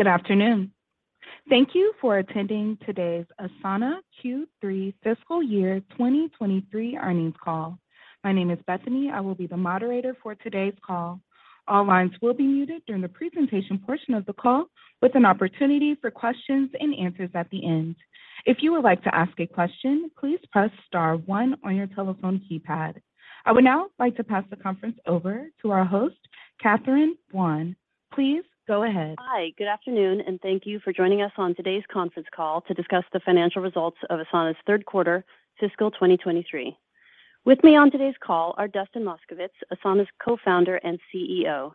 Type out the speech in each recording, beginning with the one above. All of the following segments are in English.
Good afternoon. Thank you for attending today's Asana Q3 fiscal year 2023 Earnings Call. My name is Bethany. I will be the moderator for today's call. All lines will be muted during the presentation portion of the call, with an opportunity for questions and answers at the end. If you would like to ask a question, please press star one on your telephone keypad. I would now like to pass the conference over to our host, Catherine Buan. Please go ahead. Hi. Good afternoon, thank you for joining us on today's conference call to discuss the financial results of Asana's third quarter fiscal 2023. With me on today's call are Dustin Moskovitz, Asana's Co-founder and CEO,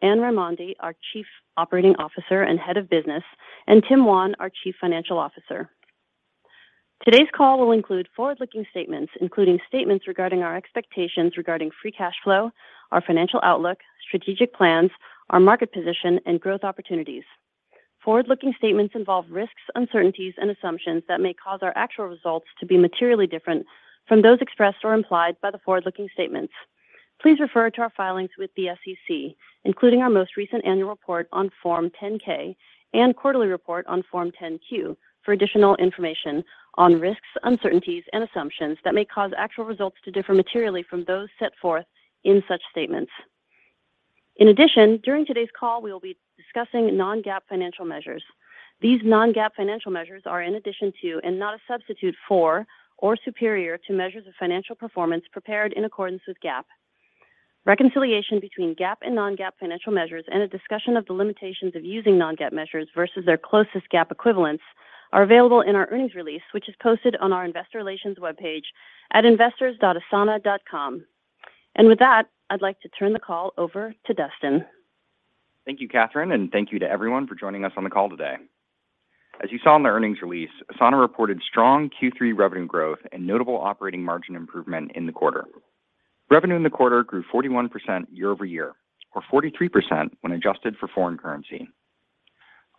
Anne Raimondi, our Chief Operating Officer and Head of Business, and Tim Wan, our Chief Financial Officer. Today's call will include forward-looking statements, including statements regarding our expectations regarding free cash flow, our financial outlook, strategic plans, our market position, and growth opportunities. Forward-looking statements involve risks, uncertainties, and assumptions that may cause our actual results to be materially different from those expressed or implied by the forward-looking statements. Please refer to our filings with the SEC, including our most recent annual report on Form 10-K and quarterly report on Form 10-Q for additional information on risks, uncertainties, and assumptions that may cause actual results to differ materially from those set forth in such statements. During today's call, we will be discussing non-GAAP financial measures. These non-GAAP financial measures are in addition to, and not a substitute for or superior to measures of financial performance prepared in accordance with GAAP. Reconciliation between GAAP and non-GAAP financial measures and a discussion of the limitations of using non-GAAP measures versus their closest GAAP equivalents are available in our earnings release, which is posted on our investor relations webpage at investors.asana.com. With that, I'd like to turn the call over to Dustin. Thank you, Catherine. Thank you to everyone for joining us on the call today. As you saw in the earnings release, Asana reported strong Q3 revenue growth and notable operating margin improvement in the quarter. Revenue in the quarter grew 41% year-over-year, or 43% when adjusted for foreign currency.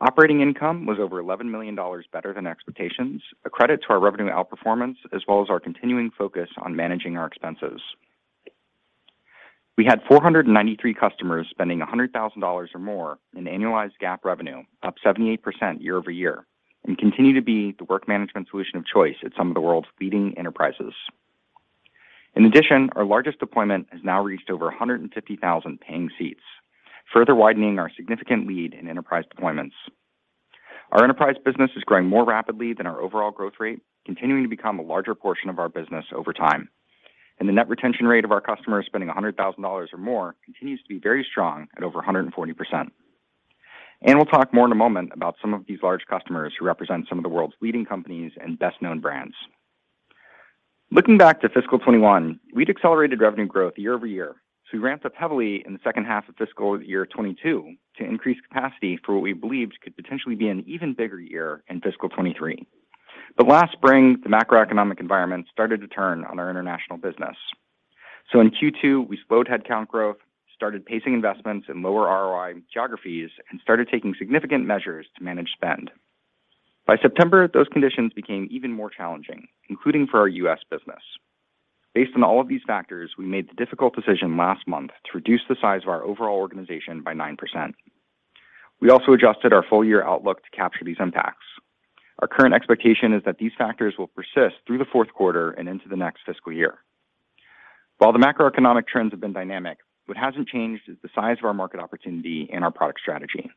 Operating income was over $11 million better than expectations, a credit to our revenue outperformance, as well as our continuing focus on managing our expenses. We had 493 customers spending $100,000 or more in annualized GAAP revenue, up 78% year-over-year, and continue to be the work management solution of choice at some of the world's leading enterprises. In addition, our largest deployment has now reached over 150,000 paying seats, further widening our significant lead in enterprise deployments. Our enterprise business is growing more rapidly than our overall growth rate, continuing to become a larger portion of our business over time. The net retention rate of our customers spending $100,000 or more continues to be very strong at over 140%. We'll talk more in a moment about some of these large customers who represent some of the world's leading companies and best-known brands. Looking back to fiscal 2021, we'd accelerated revenue growth year-over-year. We ramped up heavily in the second half of fiscal year 2022 to increase capacity for what we believed could potentially be an even bigger year in fiscal 2023. Last spring, the macroeconomic environment started to turn on our international business. In Q2, we slowed headcount growth, started pacing investments in lower ROI geographies, and started taking significant measures to manage spend. By September, those conditions became even more challenging, including for our U.S. business. Based on all of these factors, we made the difficult decision last month to reduce the size of our overall organization by 9%. We also adjusted our full year outlook to capture these impacts. Our current expectation is that these factors will persist through the fourth quarter and into the next fiscal year. While the macroeconomic trends have been dynamic, what hasn't changed is the size of our market opportunity and our product strategy.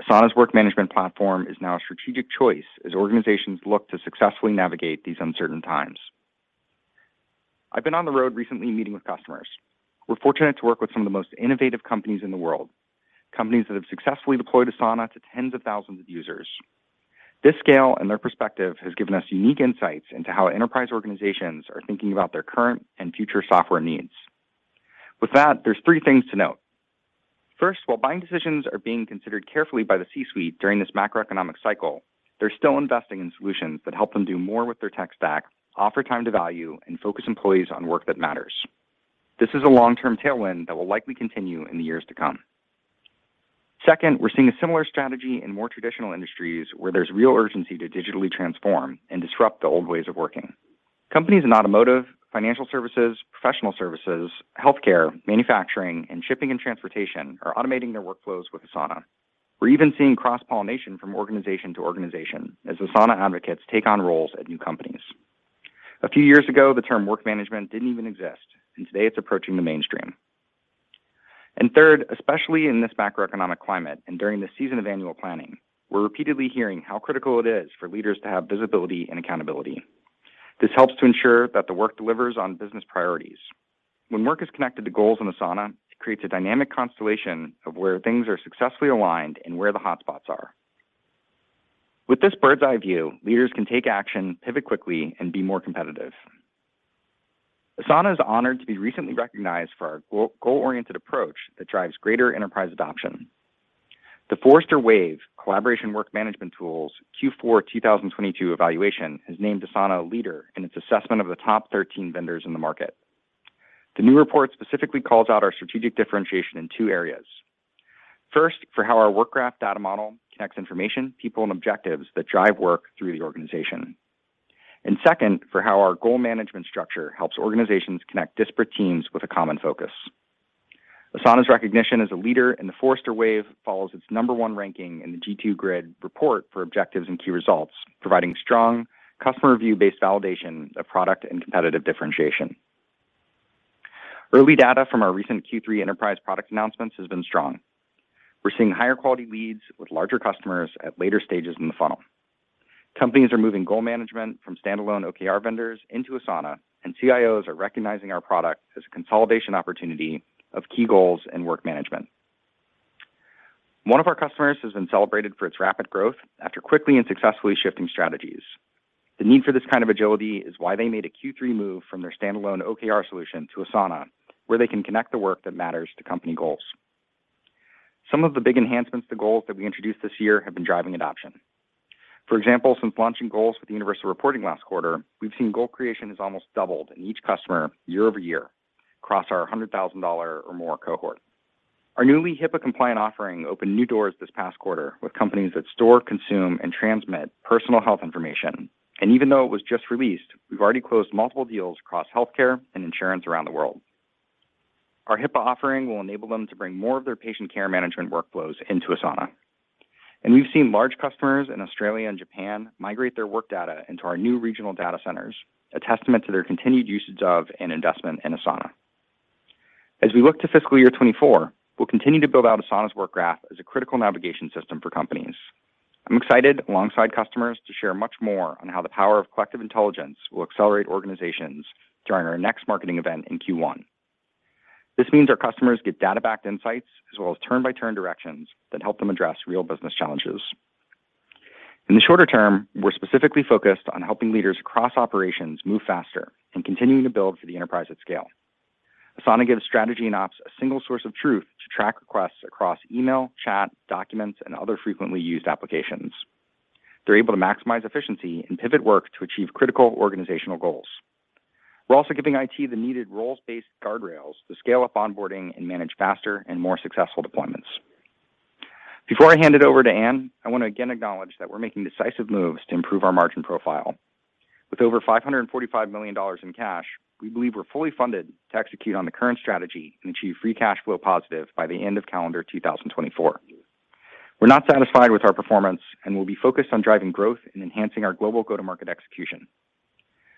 Asana's work management platform is now a strategic choice as organizations look to successfully navigate these uncertain times. I've been on the road recently meeting with customers. We're fortunate to work with some of the most innovative companies in the world, companies that have successfully deployed Asana to tens of thousands of users. This scale and their perspective has given us unique insights into how enterprise organizations are thinking about their current and future software needs. With that, there's three things to note. First, while buying decisions are being considered carefully by the C-suite during this macroeconomic cycle, they're still investing in solutions that help them do more with their tech stack, offer time to value, and focus employees on work that matters. This is a long-term tailwind that will likely continue in the years to come. Second, we're seeing a similar strategy in more traditional industries where there's real urgency to digitally transform and disrupt the old ways of working. Companies in automotive, financial services, professional services, healthcare, manufacturing, and shipping and transportation are automating their workflows with Asana. We're even seeing cross-pollination from organization to organization as Asana advocates take on roles at new companies. A few years ago, the term work management didn't even exist. Today it's approaching the mainstream. Third, especially in this macroeconomic climate and during this season of annual planning, we're repeatedly hearing how critical it is for leaders to have visibility and accountability. This helps to ensure that the work delivers on business priorities. When work is connected to goals in Asana, it creates a dynamic constellation of where things are successfully aligned and where the hotspots are. With this bird's eye view, leaders can take action, pivot quickly, and be more competitive. Asana is honored to be recently recognized for our goal-oriented approach that drives greater enterprise adoption. The Forrester Wave: Collaboration Work Management Tools Q4 2022 evaluation has named Asana a leader in its assessment of the top 13 vendors in the market. The new report specifically calls out our strategic differentiation in two areas. First, for how our Work Graph data model connects information, people, and objectives that drive work through the organization. Second, for how our goal management structure helps organizations connect disparate teams with a common focus. Asana's recognition as a leader in The Forrester Wave follows its number one ranking in the G2 Grid report for objectives and key results, providing strong customer review-based validation of product and competitive differentiation. Early data from our recent Q3 enterprise product announcements has been strong. We're seeing higher quality leads with larger customers at later stages in the funnel. Companies are moving goal management from standalone OKR vendors into Asana, and CIOs are recognizing our product as a consolidation opportunity of key goals and work management. One of our customers has been celebrated for its rapid growth after quickly and successfully shifting strategies. The need for this kind of agility is why they made a Q3 move from their standalone OKR solution to Asana, where they can connect the work that matters to company goals. Some of the big enhancements to goals that we introduced this year have been driving adoption. For example, since launching goals with universal reporting last quarter, we've seen goal creation has almost doubled in each customer year-over-year across our $100,000 or more cohort. Our newly HIPAA-compliant offering opened new doors this past quarter with companies that store, consume, and transmit personal health information. Even though it was just released, we've already closed multiple deals across healthcare and insurance around the world. Our HIPAA offering will enable them to bring more of their patient care management workflows into Asana. We've seen large customers in Australia and Japan migrate their work data into our new regional data centers, a testament to their continued usage of and investment in Asana. As we look to fiscal year 2024, we'll continue to build out Asana's Work Graph as a critical navigation system for companies. I'm excited alongside customers to share much more on how the power of collective intelligence will accelerate organizations during our next marketing event in Q1. This means our customers get data-backed insights as well as turn-by-turn directions that help them address real business challenges. In the shorter term, we're specifically focused on helping leaders across operations move faster and continuing to build for the enterprise at scale. Asana gives strategy and ops a single source of truth to track requests across email, chat, documents, and other frequently used applications. They're able to maximize efficiency and pivot work to achieve critical organizational goals. We're also giving IT the needed roles-based guardrails to scale up onboarding and manage faster and more successful deployments. Before I hand it over to Anne, I want to again acknowledge that we're making decisive moves to improve our margin profile. With over $545 million in cash, we believe we're fully funded to execute on the current strategy and achieve free cash flow positive by the end of calendar 2024. We're not satisfied with our performance. We'll be focused on driving growth and enhancing our global go-to-market execution.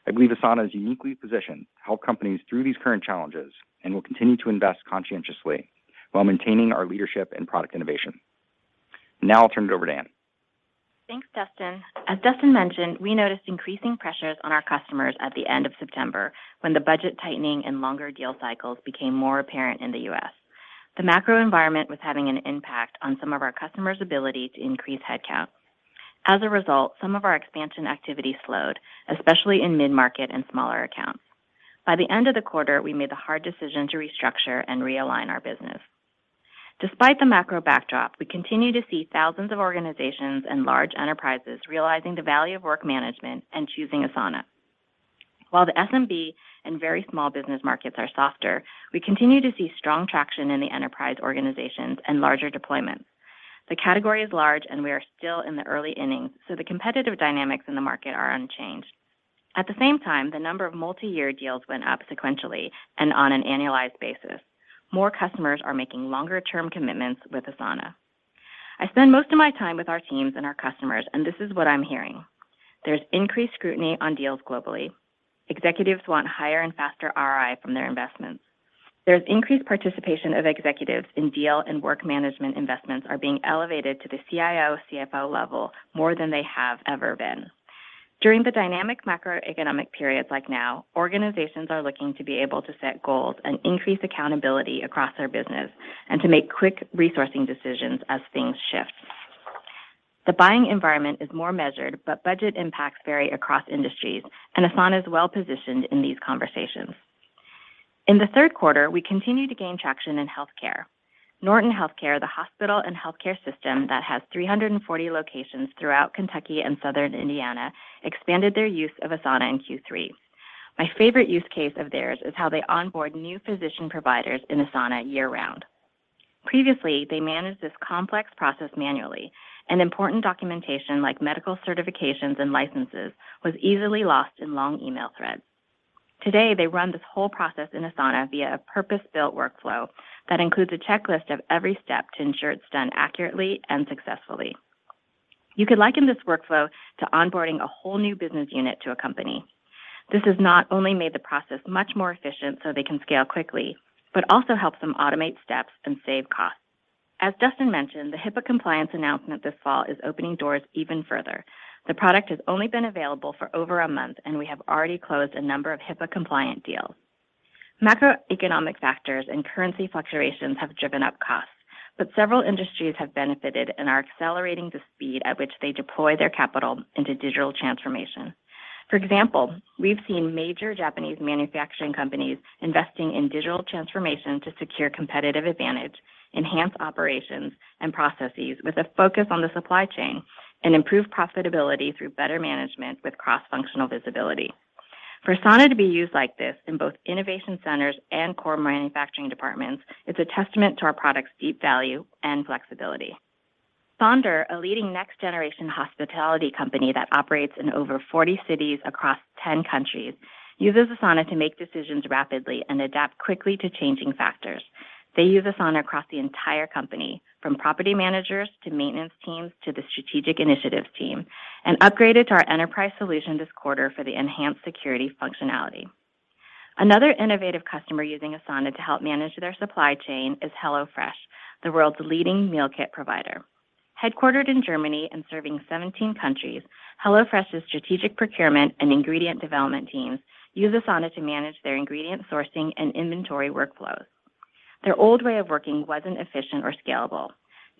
I believe Asana is uniquely positioned to help companies through these current challenges and will continue to invest conscientiously while maintaining our leadership and product innovation. Now I'll turn it over to Anne. Thanks, Dustin. As Dustin mentioned, we noticed increasing pressures on our customers at the end of September when the budget tightening and longer deal cycles became more apparent in the U.S. The macro environment was having an impact on some of our customers' ability to increase headcount. Some of our expansion activity slowed, especially in mid-market and smaller accounts. By the end of the quarter, we made the hard decision to restructure and realign our business. Despite the macro backdrop, we continue to see thousands of organizations and large enterprises realizing the value of work management and choosing Asana. The SMB and very small business markets are softer. We continue to see strong traction in the enterprise organizations and larger deployments. The category is large, and we are still in the early innings, so the competitive dynamics in the market are unchanged. The number of multi-year deals went up sequentially and on an annualized basis. More customers are making longer-term commitments with Asana. I spend most of my time with our teams and our customers, this is what I'm hearing. There's increased scrutiny on deals globally. Executives want higher and faster ROI from their investments. There's increased participation of executives in deal and work management investments are being elevated to the CIO, CFO level more than they have ever been. During the dynamic macroeconomic periods like now, organizations are looking to be able to set goals and increase accountability across their business and to make quick resourcing decisions as things shift. The buying environment is more measured, budget impacts vary across industries, Asana is well-positioned in these conversations. In the third quarter, we continued to gain traction in healthcare. Norton Healthcare, the hospital and healthcare system that has 340 locations throughout Kentucky and Southern Indiana, expanded their use of Asana in Q3. My favorite use case of theirs is how they onboard new physician providers in Asana year-round. Previously, they managed this complex process manually, and important documentation like medical certifications and licenses was easily lost in long email threads. Today, they run this whole process in Asana via a purpose-built workflow that includes a checklist of every step to ensure it's done accurately and successfully. You could liken this workflow to onboarding a whole new business unit to a company. This has not only made the process much more efficient so they can scale quickly but also helps them automate steps and save costs. As Dustin mentioned, the HIPAA compliance announcement this fall is opening doors even further. The product has only been available for over a month, and we have already closed a number of HIPAA-compliant deals. Macroeconomic factors and currency fluctuations have driven up costs, but several industries have benefited and are accelerating the speed at which they deploy their capital into digital transformation. For example, we've seen major Japanese manufacturing companies investing in digital transformation to secure competitive advantage, enhance operations and processes with a focus on the supply chain, and improve profitability through better management with cross-functional visibility. For Asana to be used like this in both innovation centers and core manufacturing departments, it's a testament to our product's deep value and flexibility. Sonder, a leading next-generation hospitality company that operates in over 40 cities across 10 countries, uses Asana to make decisions rapidly and adapt quickly to changing factors. They use Asana across the entire company, from property managers to maintenance teams to the strategic initiatives team, and upgraded to our enterprise solution this quarter for the enhanced security functionality. Another innovative customer using Asana to help manage their supply chain is HelloFresh, the world's leading meal kit provider. Headquartered in Germany and serving 17 countries, HelloFresh's strategic procurement and ingredient development teams use Asana to manage their ingredient sourcing and inventory workflows. Their old way of working wasn't efficient or scalable.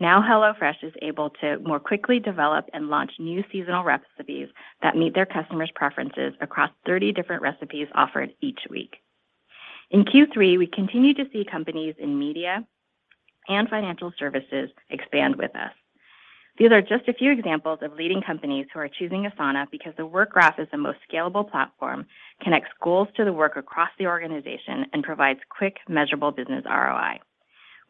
Now HelloFresh is able to more quickly develop and launch new seasonal recipes that meet their customers' preferences across 30 different recipes offered each week. In Q3, we continued to see companies in media and financial services expand with us. These are just a few examples of leading companies who are choosing Asana because the Work Graph is the most scalable platform, connects goals to the work across the organization, and provides quick, measurable business ROI.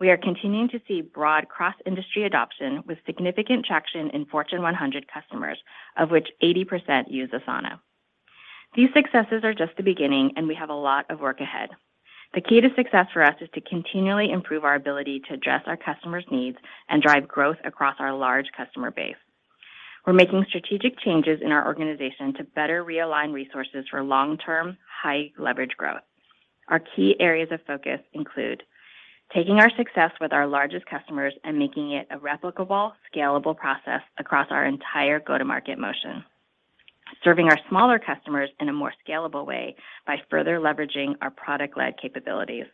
We are continuing to see broad cross-industry adoption with significant traction in Fortune 100 customers, of which 80% use Asana. These successes are just the beginning, and we have a lot of work ahead. The key to success for us is to continually improve our ability to address our customers' needs and drive growth across our large customer base. We're making strategic changes in our organization to better realign resources for long-term, high-leverage growth. Our key areas of focus include taking our success with our largest customers and making it a replicable, scalable process across our entire go-to-market motion. Serving our smaller customers in a more scalable way by further leveraging our product-led capabilities.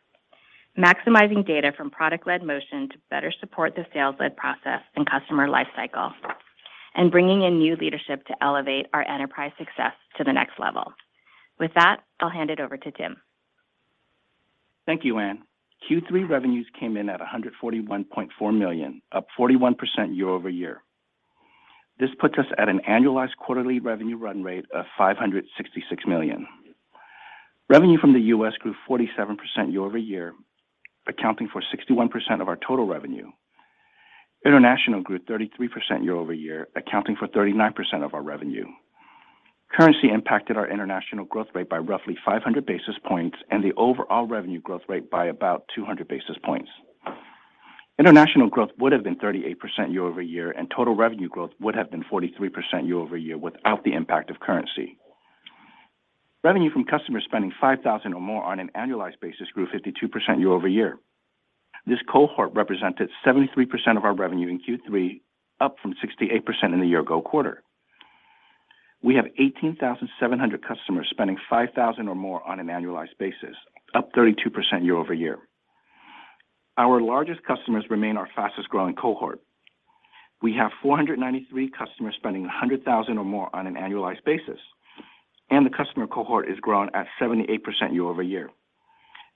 Maximizing data from product-led motion to better support the sales-led process and customer life cycle, and bringing in new leadership to elevate our enterprise success to the next level. With that, I'll hand it over to Tim. Thank you, Anne. Q3 revenues came in at $141.4 million, up 41% year-over-year. This puts us at an annualized quarterly revenue run rate of $566 million. Revenue from the U.S. grew 47% year-over-year, accounting for 61% of our total revenue. International grew 33% year-over-year, accounting for 39% of our revenue. Currency impacted our international growth rate by roughly 500 basis points and the overall revenue growth rate by about 200 basis points. International growth would have been 38% year-over-year. Total revenue growth would have been 43% year-over-year without the impact of currency. Revenue from customers spending $5,000 or more on an annualized basis grew 52% year-over-year. This cohort represented 73% of our revenue in Q3, up from 68% in the year ago quarter. We have 18,700 customers spending $5,000 or more on an annualized basis, up 32% year-over-year. Our largest customers remain our fastest-growing cohort. We have 493 customers spending $100,000 or more on an annualized basis, and the customer cohort has grown at 78% year-over-year.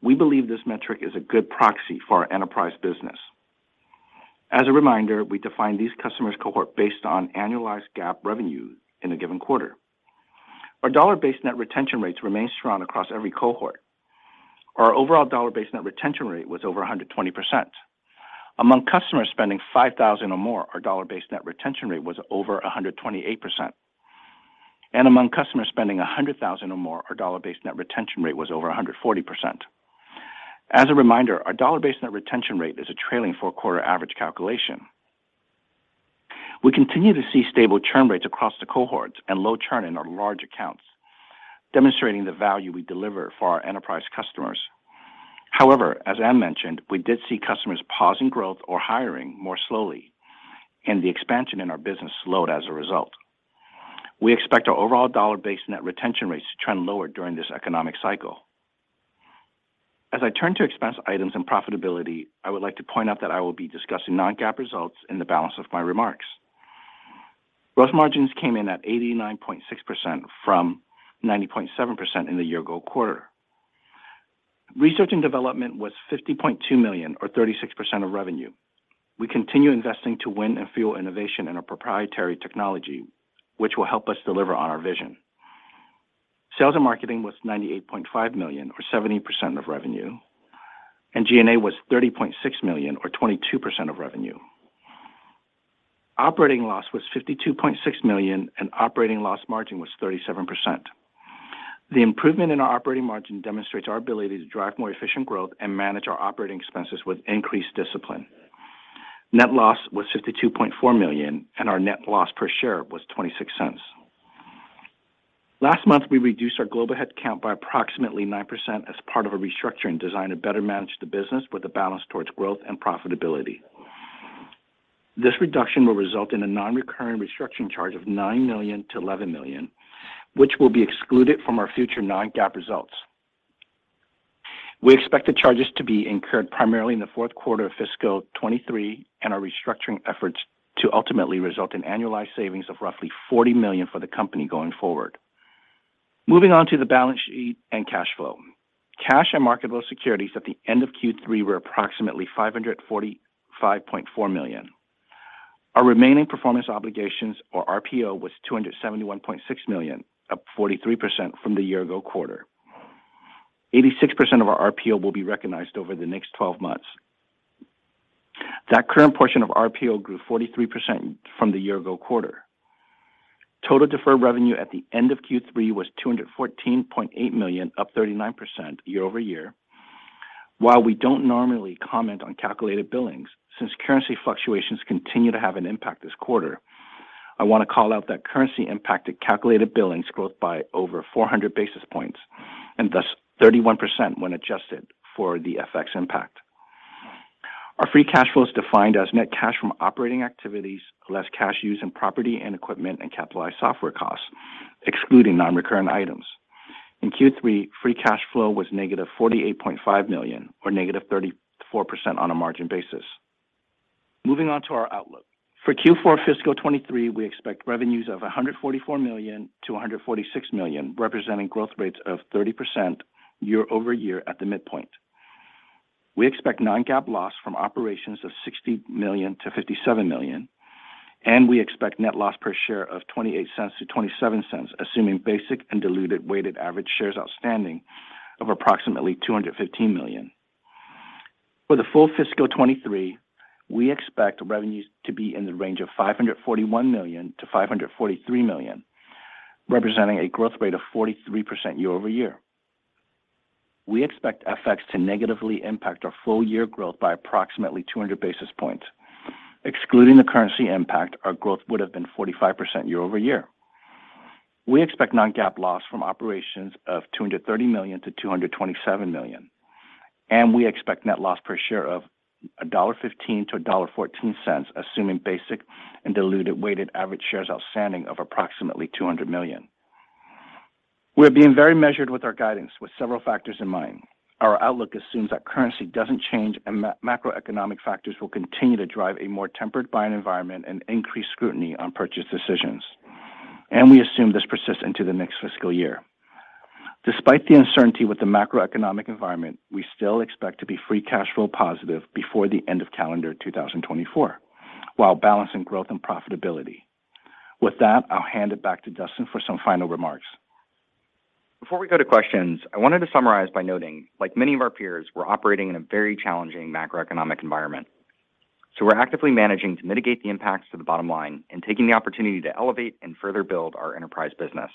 We believe this metric is a good proxy for our enterprise business. As a reminder, we define these customers cohort based on annualized GAAP revenue in a given quarter. Our dollar-based net retention rates remain strong across every cohort. Our overall dollar-based net retention rate was over 120%. Among customers spending $5,000 or more, our dollar-based net retention rate was over 128%. Among customers spending $100,000 or more, our dollar-based net retention rate was over 140%. As a reminder, our dollar-based net retention rate is a trailing four quarter average calculation. We continue to see stable churn rates across the cohorts and low churn in our large accounts, demonstrating the value we deliver for our enterprise customers. However, as Anne mentioned, we did see customers pausing growth or hiring more slowly, and the expansion in our business slowed as a result. We expect our overall dollar-based net retention rates to trend lower during this economic cycle. As I turn to expense items and profitability, I would like to point out that I will be discussing non-GAAP results in the balance of my remarks. Gross margins came in at 89.6% from 90.7% in the year ago quarter. Research and development was $50.2 million, or 36% of revenue. We continue investing to win and fuel innovation in our proprietary technology, which will help us deliver on our vision. Sales and marketing was $98.5 million, or 70% of revenue. G&A was $30.6 million, or 22% of revenue. Operating loss was $52.6 million, and operating loss margin was 37%. The improvement in our operating margin demonstrates our ability to drive more efficient growth and manage our operating expenses with increased discipline. Our net loss was $52.4 million, and our net loss per share was $0.26. Last month, we reduced our global headcount by approximately 9% as part of a restructuring designed to better manage the business with a balance towards growth and profitability. This reduction will result in a non-recurring restructuring charge of $9 million-$11 million, which will be excluded from our future non-GAAP results. We expect the charges to be incurred primarily in the fourth quarter of fiscal 2023 and our restructuring efforts to ultimately result in annualized savings of roughly $40 million for the company going forward. Moving on to the balance sheet and cash flow. Cash and marketable securities at the end of Q3 were approximately $545.4 million. Our remaining performance obligations, or RPO, was $271.6 million, up 43% from the year ago quarter. 86% of our RPO will be recognized over the next 12 months. That current portion of RPO grew 43% from the year ago quarter. Total deferred revenue at the end of Q3 was $214.8 million, up 39% year-over-year. While we don't normally comment on calculated billings, since currency fluctuations continue to have an impact this quarter, I wanna call out that currency impacted calculated billings growth by over 400 basis points and thus 31% when adjusted for the FX impact. Our free cash flow is defined as net cash from operating activities, less cash used in property and equipment and capitalized software costs, excluding non-recurrent items. In Q3, free cash flow was negative $48.5 million or negative 34% on a margin basis. Moving on to our outlook. For Q4 fiscal 2023, we expect revenues of $144 million-$146 million, representing growth rates of 30% year-over-year at the midpoint. We expect non-GAAP loss from operations of $60 million-$57 million. We expect net loss per share of $0.28-$0.27, assuming basic and diluted weighted average shares outstanding of approximately $215 million. For the full fiscal 2023, we expect revenues to be in the range of $541 million-$543 million, representing a growth rate of 43% year-over-year. We expect FX to negatively impact our full year growth by approximately 200 basis points. Excluding the currency impact, our growth would have been 45% year-over-year. We expect non-GAAP loss from operations of $230 million-$227 million. We expect net loss per share of $1.15-$1.14, assuming basic and diluted weighted average shares outstanding of approximately 200 million. We're being very measured with our guidance with several factors in mind. Our outlook assumes that currency doesn't change and macroeconomic factors will continue to drive a more tempered buying environment and increased scrutiny on purchase decisions. We assume this persists into the next fiscal year. Despite the uncertainty with the macroeconomic environment, we still expect to be free cash flow positive before the end of calendar 2024, while balancing growth and profitability. With that, I'll hand it back to Dustin for some final remarks. Before we go to questions, I wanted to summarize by noting, like many of our peers, we're operating in a very challenging macroeconomic environment. We're actively managing to mitigate the impacts to the bottom line and taking the opportunity to elevate and further build our enterprise business.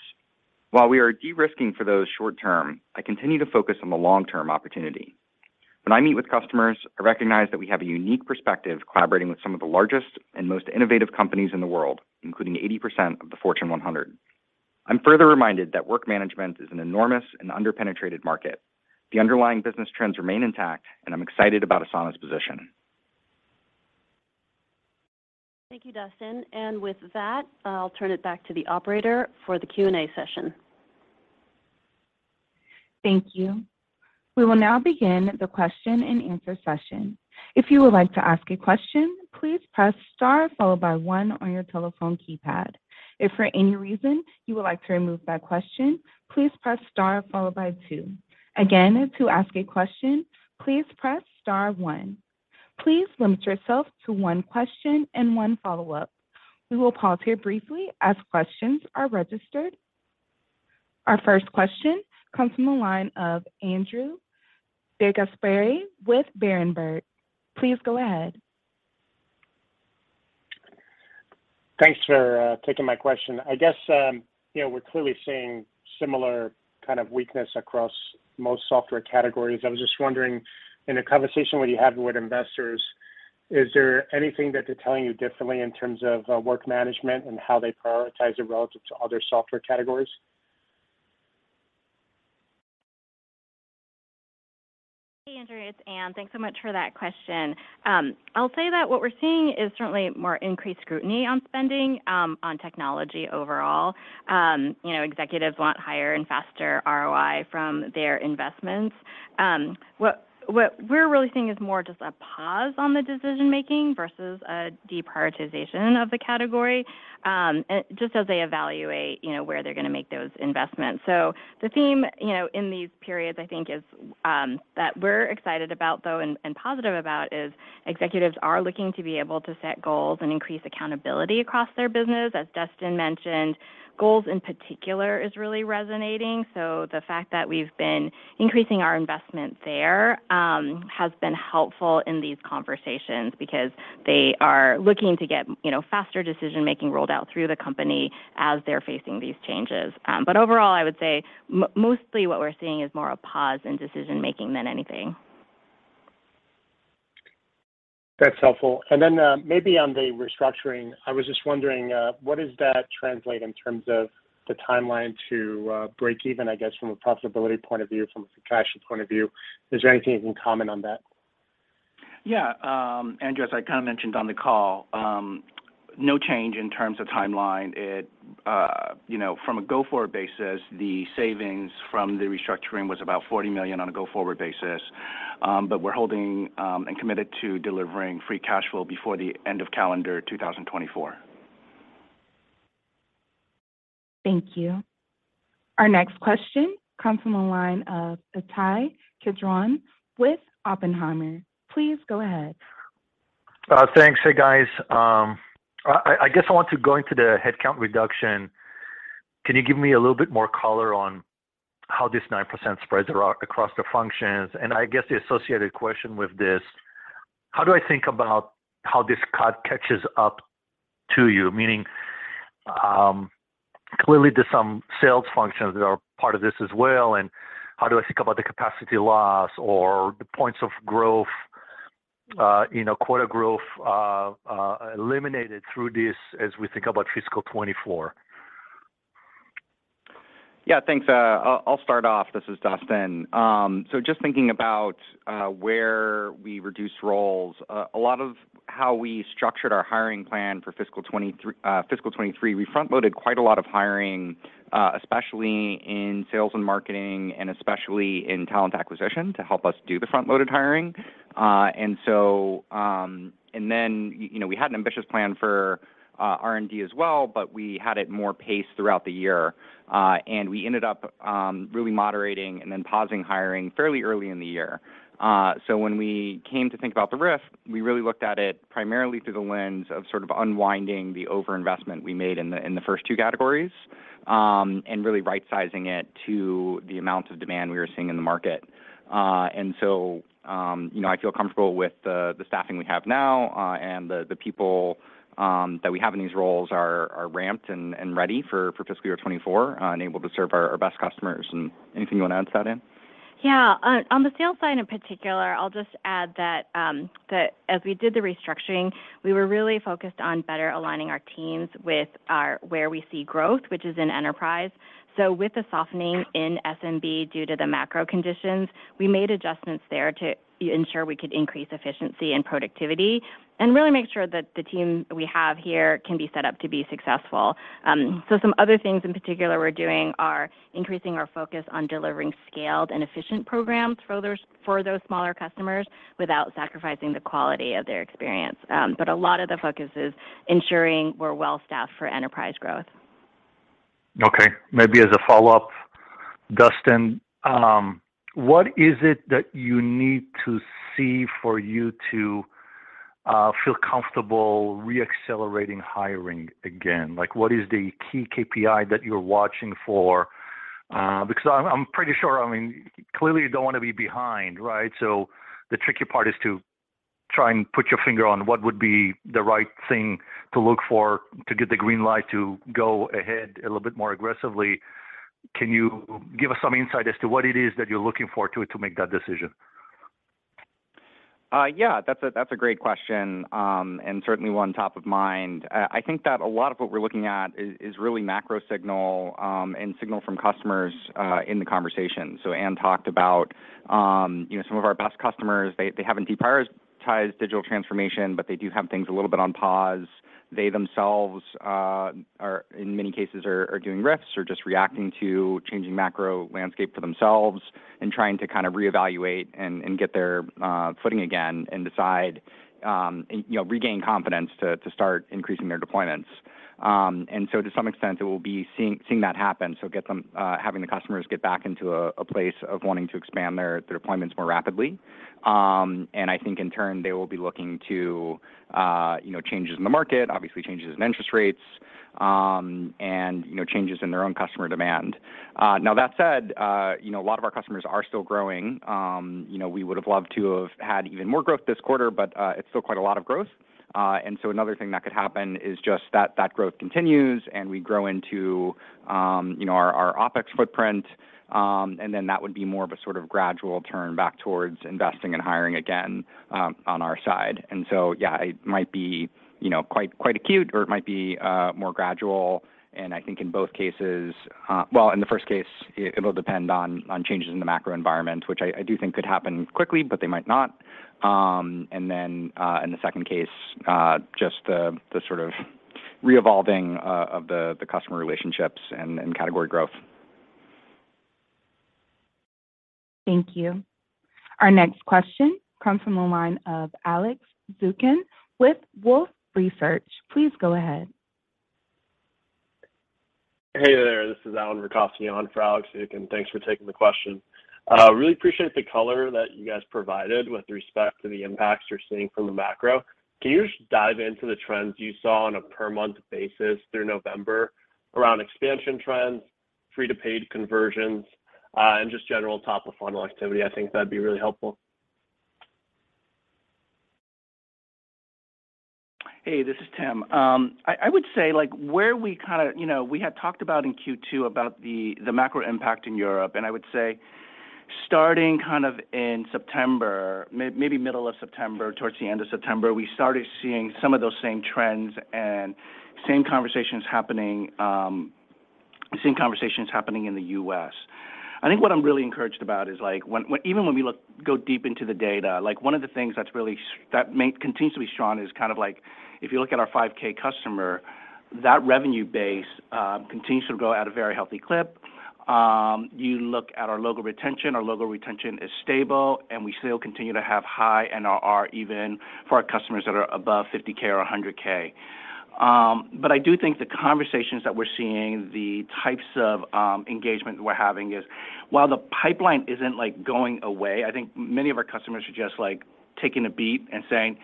While we are de-risking for those short term, I continue to focus on the long-term opportunity. When I meet with customers, I recognize that we have a unique perspective collaborating with some of the largest and most innovative companies in the world, including 80% of the Fortune 100. I'm further reminded that work management is an enormous and under-penetrated market. The underlying business trends remain intact, I'm excited about Asana's position. Thank you, Dustin. With that, I'll turn it back to the operator for the Q&A session. Thank you. We will now begin the question-and-answer session. If you would like to ask a question, please press star followed by one on your telephone keypad. If for any reason you would like to remove that question, please press star followed by two. Again, to ask a question, please press star one. Please limit yourself to one question and one follow-up. We will pause here briefly as questions are registered. Our first question comes from the line of Andrew DeGasperi with Berenberg. Please go ahead. Thanks for taking my question. I guess, you know, we're clearly seeing similar kind of weakness across most software categories. I was just wondering, in a conversation where you have with investors, is there anything that they're telling you differently in terms of work management and how they prioritize it relative to other software categories? Hey, Andrew, it's Anne. Thanks so much for that question. I'll say that what we're seeing is certainly more increased scrutiny on spending on technology overall. You know, executives want higher and faster ROI from their investments. What we're really seeing is more just a pause on the decision-making versus a deprioritization of the category, just as they evaluate, you know, where they're gonna make those investments. The theme, you know, in these periods, I think is that we're excited about, though, and positive about is executives are looking to be able to set goals and increase accountability across their business. As Dustin mentioned, goals in particular is really resonating. The fact that we've been increasing our investment there has been helpful in these conversations because they are looking to get, you know, faster decision-making rolled out through the company as they're facing these changes. Overall, I would say mostly what we're seeing is more a pause in decision-making than anything. That's helpful. Maybe on the restructuring, I was just wondering, what does that translate in terms of the timeline to break even, I guess, from a profitability point of view, from a contraction point of view? Is there anything you can comment on that? Yeah. Andrew, as I kinda mentioned on the call, no change in terms of timeline. It, you know, from a go-forward basis, the savings from the restructuring was about $40 million on a go-forward basis. We're holding and committed to delivering free cash flow before the end of calendar 2024. Thank you. Our next question comes from the line of Ittai Kidron with Oppenheimer. Please go ahead. Thanks. Hey, guys. I guess I want to go into the headcount reduction. Can you give me a little bit more color on how this 9% spreads across the functions? I guess the associated question with this, how do I think about how this cut catches up to you? Meaning, clearly there's some sales functions that are part of this as well, and how do I think about the capacity loss or the points of growth, you know, quota growth eliminated through this as we think about fiscal 2024? Yeah. Thanks. I'll start off. This is Dustin. Just thinking about where we reduced roles, a lot of how we structured our hiring plan for fiscal 2023, we front-loaded quite a lot of hiring, especially in sales and marketing and especially in talent acquisition to help us do the front-loaded hiring. Then, you know, we had an ambitious plan for R&D as well, but we had it more paced throughout the year. We ended up really moderating and then pausing hiring fairly early in the year. When we came to think about the RIF, we really looked at it primarily through the lens of sort of unwinding the overinvestment we made in the, in the first two categories, and really rightsizing it to the amount of demand we were seeing in the market. You know, I feel comfortable with the staffing we have now, and the people that we have in these roles are ramped and ready for fiscal year 2024, and able to serve our best customers. Anything you wanna add to that, Anne? Yeah. On the sales side in particular, I'll just add that as we did the restructuring, we were really focused on better aligning our teams with where we see growth, which is in enterprise. With the softening in SMB due to the macro conditions, we made adjustments there to ensure we could increase efficiency and productivity and really make sure that the team we have here can be set up to be successful. Some other things in particular we're doing are increasing our focus on delivering scaled and efficient programs for those, for those smaller customers without sacrificing the quality of their experience. A lot of the focus is ensuring we're well-staffed for enterprise growth. Okay. Maybe as a follow-up, Dustin, what is it that you need to see for you to feel comfortable re-accelerating hiring again? Like, what is the key KPI that you're watching for? Because I'm pretty sure. I mean, clearly you don't wanna be behind, right? The tricky part is to try and put your finger on what would be the right thing to look for to get the green light to go ahead a little bit more aggressively. Can you give us some insight as to what it is that you're looking for to make that decision? Yeah. That's a great question, and certainly one top of mind. I think that a lot of what we're looking at is really macro signal and signal from customers in the conversation. Anne talked about, you know, some of our best customers, they haven't deprioritized digital transformation, but they do have things a little bit on pause. They themselves are in many cases are doing RIFs or just reacting to changing macro landscape for themselves and trying to kind of reevaluate and get their footing again and decide, you know, regain confidence to start increasing their deployments. To some extent, it will be seeing that happen, so having the customers get back into a place of wanting to expand their deployments more rapidly. I think in turn, they will be looking to, you know, changes in the market, obviously changes in interest rates, and, you know, changes in their own customer demand. Now that said, you know, a lot of our customers are still growing. You know, we would have loved to have had even more growth this quarter, but, it's still quite a lot of growth. Another thing that could happen is just that that growth continues, and we grow into, you know, our OpEx footprint, and then that would be more of a sort of gradual turn back towards investing and hiring again, on our side. Yeah, it might be, you know, quite acute, or it might be more gradual. I think in both cases, well, in the first case, it'll depend on changes in the macro environment, which I do think could happen quickly, but they might not. In the second case, just the sort of re-evolving of the customer relationships and category growth. Thank you. Our next question comes from the line of Alex Zukin with Wolfe Research. Please go ahead. Hey there. This is Alan Rutkowski on for Alex Zukin. Thanks for taking the question. Really appreciate the color that you guys provided with respect to the impacts you're seeing from the macro. Can you just dive into the trends you saw on a per month basis through November around expansion trends, free to paid conversions, and just general top of funnel activity? I think that'd be really helpful. Hey, this is Tim. I would say, like, you know, we had talked about in Q2 about the macro impact in Europe, and I would say starting kind of in September, maybe middle of September towards the end of September, we started seeing some of those same trends and same conversations happening, same conversations happening in the U.S. I think what I'm really encouraged about is, like, when we go deep into the data, like, one of the things that's really that continues to be strong is kind of like if you look at our 5K customer, that revenue base continues to grow at a very healthy clip. You look at our logo retention, our logo retention is stable, and we still continue to have high NRR even for our customers that are above $50K or $100K. I do think the conversations that we're seeing, the types of engagement we're having is while the pipeline isn't, like, going away, I think many of our customers are just, like, taking a beat and saying,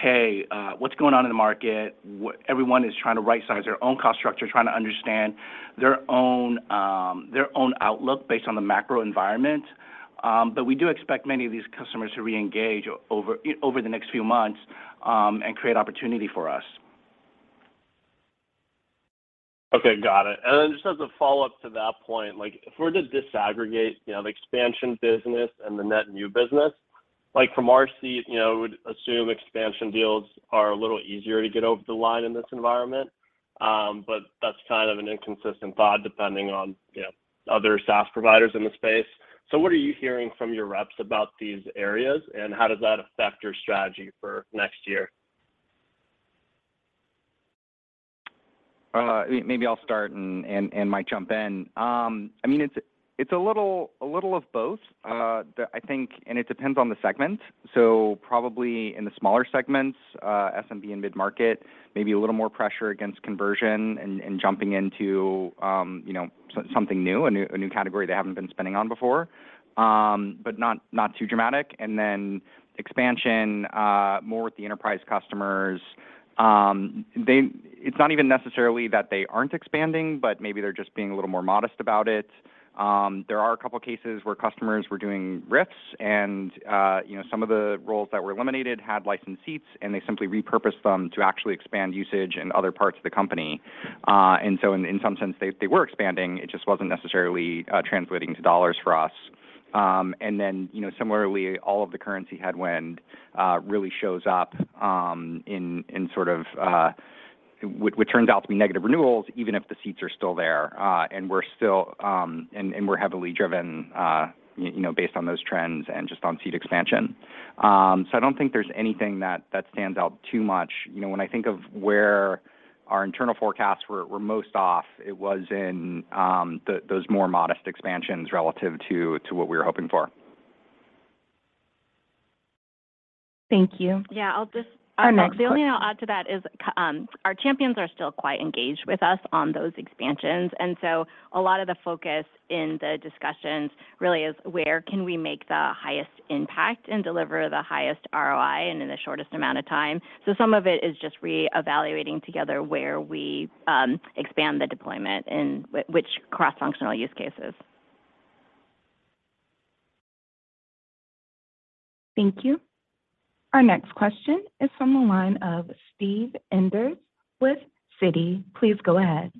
"Hey, what's going on in the market?" Everyone is trying to right-size their own cost structure, trying to understand their own outlook based on the macro environment. We do expect many of these customers to reengage over the next few months, and create opportunity for us. Okay. Got it. Then just as a follow-up to that point, like if we're to disaggregate, you know, the expansion business and the net new business, like from our seat, you know, we would assume expansion deals are a little easier to get over the line in this environment. But that's kind of an inconsistent thought depending on, you know, other SaaS providers in the space. What are you hearing from your reps about these areas, and how does that affect your strategy for next year? Maybe I'll start and Mike jump in. I mean, it's a little of both. I think, and it depends on the segment. Probably in the smaller segments, SMB and mid-market, maybe a little more pressure against conversion and jumping into, you know, something new, a new category they haven't been spending on before, but not too dramatic. Expansion, more with the enterprise customers, they. It's not even necessarily that they aren't expanding, but maybe they're just being a little more modest about it. There are a couple cases where customers were doing RIFs and, you know, some of the roles that were eliminated had licensed seats, and they simply repurposed them to actually expand usage in other parts of the company. In some sense, they were expanding, it just wasn't necessarily translating to dollars for us. You know, similarly, all of the currency headwind really shows up in sort of what turned out to be negative renewals, even if the seats are still there. We're still, and we're heavily driven, you know, based on those trends and just on seat expansion. I don't think there's anything that stands out too much. You know, when I think of where our internal forecasts were most off, it was in those more modest expansions relative to what we were hoping for. Thank you. Yeah, I'll. Our next question. The only thing I'll add to that is our champions are still quite engaged with us on those expansions. A lot of the focus in the discussions really is where can we make the highest impact and deliver the highest ROI and in the shortest amount of time. Some of it is just re-evaluating together where we expand the deployment in which cross-functional use cases. Thank you. Our next question is from the line of Steven Enders with Citi. Please go ahead.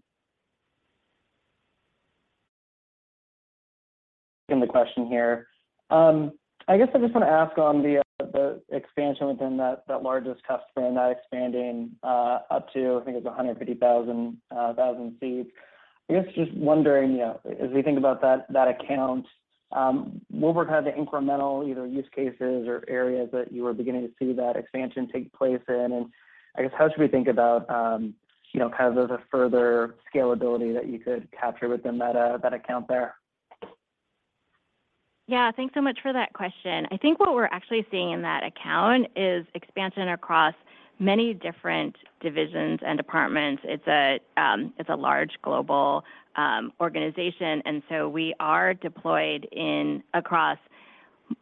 In the question here. I guess I just wanna ask on the expansion within that largest customer and that expanding up to I think it's 150,000 seats. I guess just wondering, you know, as we think about that account, what were kind of the incremental either use cases or areas that you were beginning to see that expansion take place in? How should we think about, you know, kind of those are further scalability that you could capture within that account there? Yeah. Thanks so much for that question. I think what we're actually seeing in that account is expansion across many different divisions and departments. It's a large global organization. We are deployed in across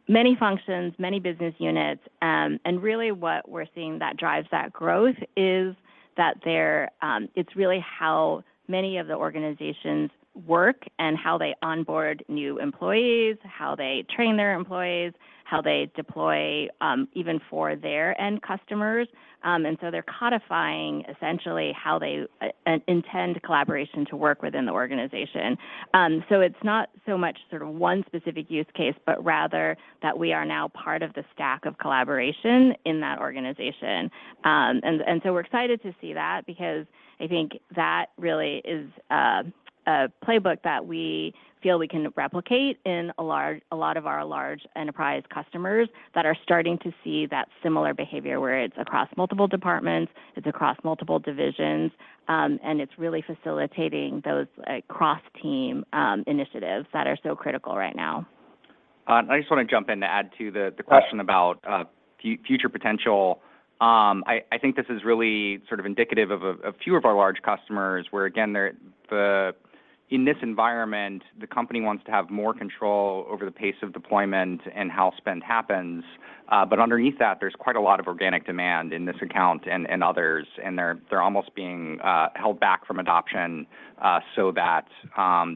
many functions, many business units. Really what we're seeing that drives that growth is that they're, it's really how many of the organizations work and how they onboard new employees, how they train their employees, how they deploy even for their end customers. They're codifying essentially how they intend collaboration to work within the organization. It's not so much sort of one specific use case, but rather that we are now part of the stack of collaboration in that organization. We're excited to see that because I think that really is a playbook that we feel we can replicate in a large, a lot of our large enterprise customers that are starting to see that similar behavior where it's across multiple departments, it's across multiple divisions, and it's really facilitating those cross-team initiatives that are so critical right now. I just wanna jump in to add to the question about future potential. I think this is really sort of indicative of a few of our large customers where again, in this environment, the company wants to have more control over the pace of deployment and how spend happens. Underneath that, there's quite a lot of organic demand in this account and others, and they're almost being held back from adoption so that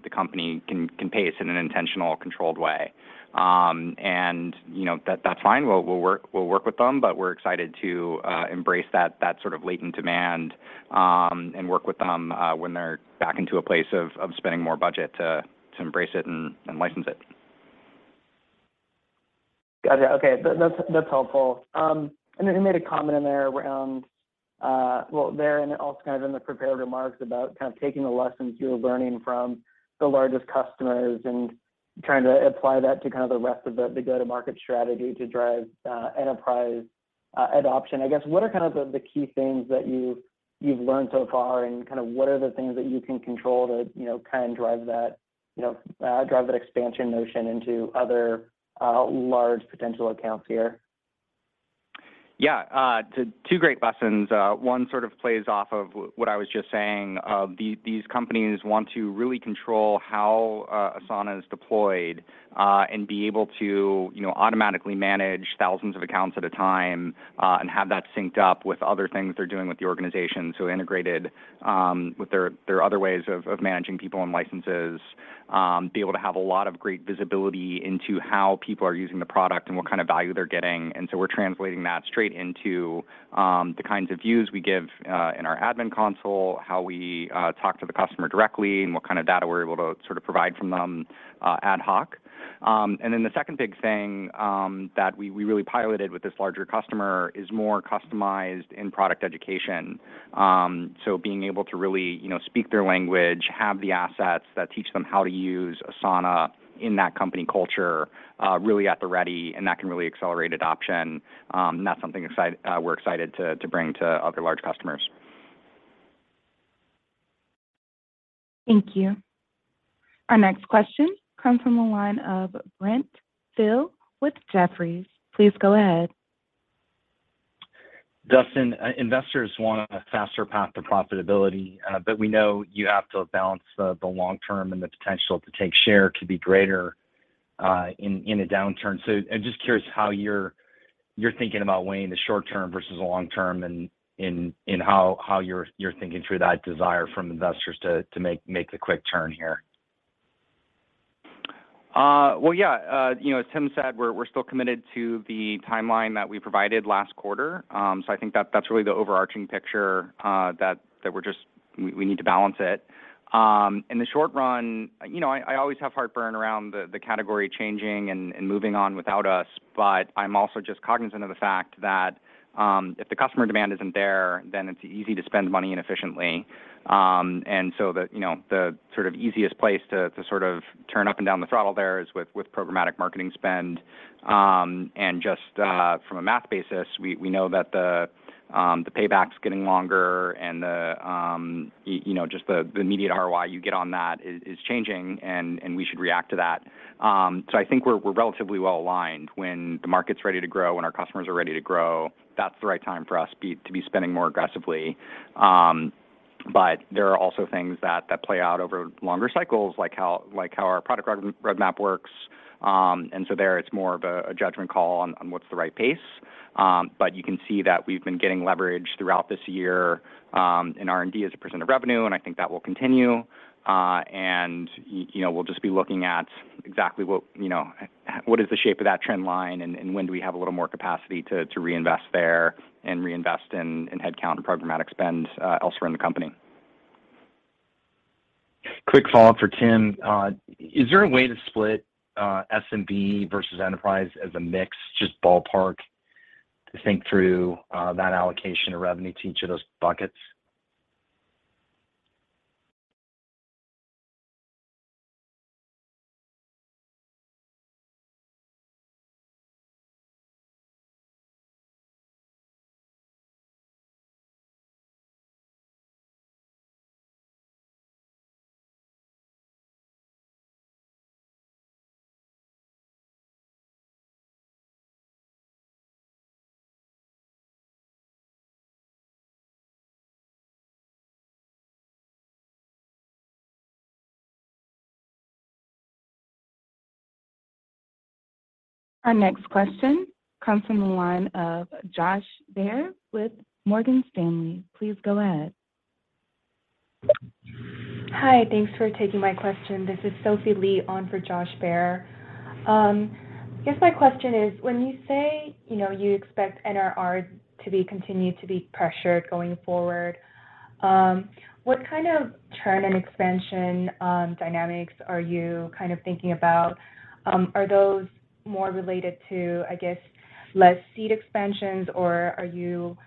the company can pace in an intentional controlled way. You know, that's fine. We'll work with them, but we're excited to embrace that sort of latent demand and work with them when they're back into a place of spending more budget to embrace it and license it. Gotcha. Okay. That's helpful. Then you made a comment in there around, well there and also kind of in the prepared remarks about kind of taking the lessons you were learning from the largest customers and trying to apply that to kind of the rest of the go-to-market strategy to drive enterprise adoption. I guess what are kind of the key things that you've learned so far and kind of what are the things that you can control to, you know, kind of drive that, you know, drive that expansion notion into other large potential accounts here? Yeah, two great lessons. One sort of plays off of what I was just saying. These companies want to really control how Asana is deployed and be able to, you know, automatically manage thousands of accounts at a time and have that synced up with other things they're doing with the organization so integrated with their other ways of managing people and licenses. Be able to have a lot of great visibility into how people are using the product and what kind of value they're getting. So we're translating that straight into the kinds of views we give in our admin console, how we talk to the customer directly, and what kind of data we're able to sort of provide from them ad hoc. The second big thing that we really piloted with this larger customer is more customized in product education. Being able to really, you know, speak their language, have the assets that teach them how to use Asana in that company culture, really at the ready, and that can really accelerate adoption. That's something we're excited to bring to other large customers. Thank you. Our next question comes from the line of Brent Thill with Jefferies. Please go ahead. Dustin, investors want a faster path to profitability. We know you have to balance the long term and the potential to take share to be greater in a downturn. I'm just curious how you're thinking about weighing the short term versus the long term in how you're thinking through that desire from investors to make the quick turn here. Well, yeah. You know, as Tim said, we're still committed to the timeline that we provided last quarter. I think that's really the overarching picture that we're just we need to balance it. In the short run, you know, I always have heartburn around the category changing and moving on without us, but I'm also just cognizant of the fact that if the customer demand isn't there, then it's easy to spend money inefficiently. The, you know, the sort of easiest place to sort of turn up and down the throttle there is with programmatic marketing spend. Just from a math basis, we know that the payback's getting longer and you know, just the immediate ROI you get on that is changing and we should react to that. I think we're relatively well aligned when the market's ready to grow, when our customers are ready to grow, that's the right time for us to be spending more aggressively. There are also things that play out over longer cycles, like how our product road map works. There it's more of a judgment call on what's the right pace. You can see that we've been getting leverage throughout this year, in R&D as a percent of revenue, and I think that will continue. You know, we'll just be looking at exactly what, you know, what is the shape of that trend line and when do we have a little more capacity to reinvest there and reinvest in headcount and programmatic spend elsewhere in the company. Quick follow-up for Tim. Is there a way to split SMB versus enterprise as a mix, just ballpark to think through that allocation of revenue to each of those buckets? Our next question comes from the line of Josh Baer with Morgan Stanley. Please go ahead. Hi, thanks for taking my question. This is Susan Lee on for Josh Baer. I guess my question is, when you say, you know, you expect NRR to be continued to be pressured going forward, what kind of churn and expansion dynamics are you kind of thinking about? Are those more related to, I guess, less seed expansions, or are you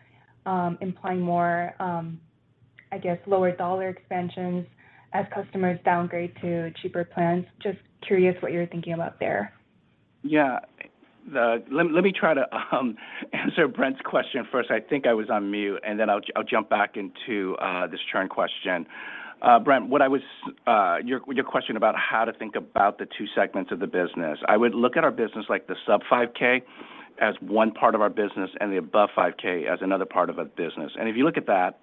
implying more, I guess, lower dollar expansions as customers downgrade to cheaper plans? Just curious what you're thinking about there. Yeah. Let me try to answer Brent's question first. I think I was on mute, then I'll jump back into this churn question. Brent, your question about how to think about the two segments of the business. I would look at our business like the sub 5K as one part of our business and the above 5K as another part of a business. If you look at that,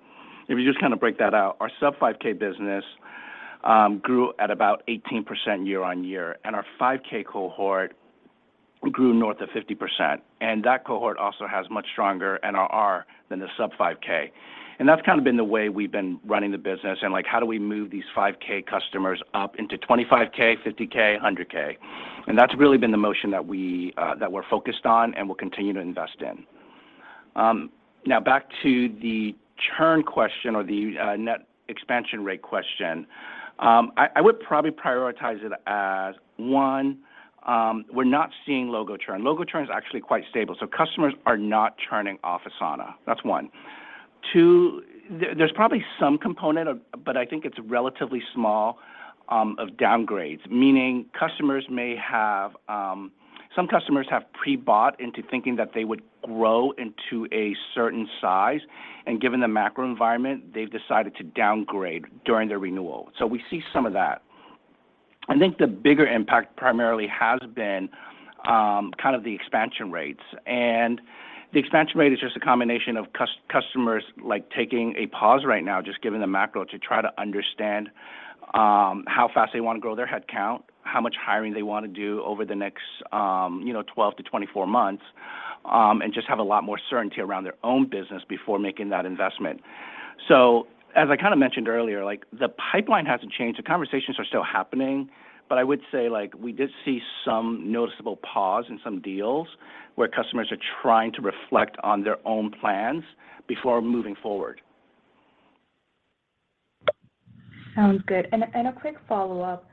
if you just kind of break that out, our sub 5K business grew at about 18% year-over-year, and our 5K cohort grew north of 50%. That cohort also has much stronger NRR than the sub 5K. That's kind of been the way we've been running the business, like, how do we move these 5K customers up into 25K, 50K, 100K? That's really been the motion that we that we're focused on and will continue to invest in. Now back to the churn question or the net expansion rate question. I would probably prioritize it as, one, we're not seeing logo churn. Logo churn is actually quite stable, so customers are not churning off Asana. That's one. Two, there's probably some component of, but I think it's relatively small of downgrades, meaning customers may have. Some customers have pre-bought into thinking that they would grow into a certain size, and given the macro environment, they've decided to downgrade during their renewal. We see some of that. I think the bigger impact primarily has been, kind of the expansion rates. The expansion rate is just a combination of customers, like, taking a pause right now, just given the macro, to try to understand, how fast they wanna grow their head count, how much hiring they wanna do over the next, you know, 12-24 months, and just have a lot more certainty around their own business before making that investment. As I kinda mentioned earlier, like, the pipeline hasn't changed. The conversations are still happening, but I would say, like, we did see some noticeable pause in some deals where customers are trying to reflect on their own plans before moving forward. Sounds good. A quick follow-up.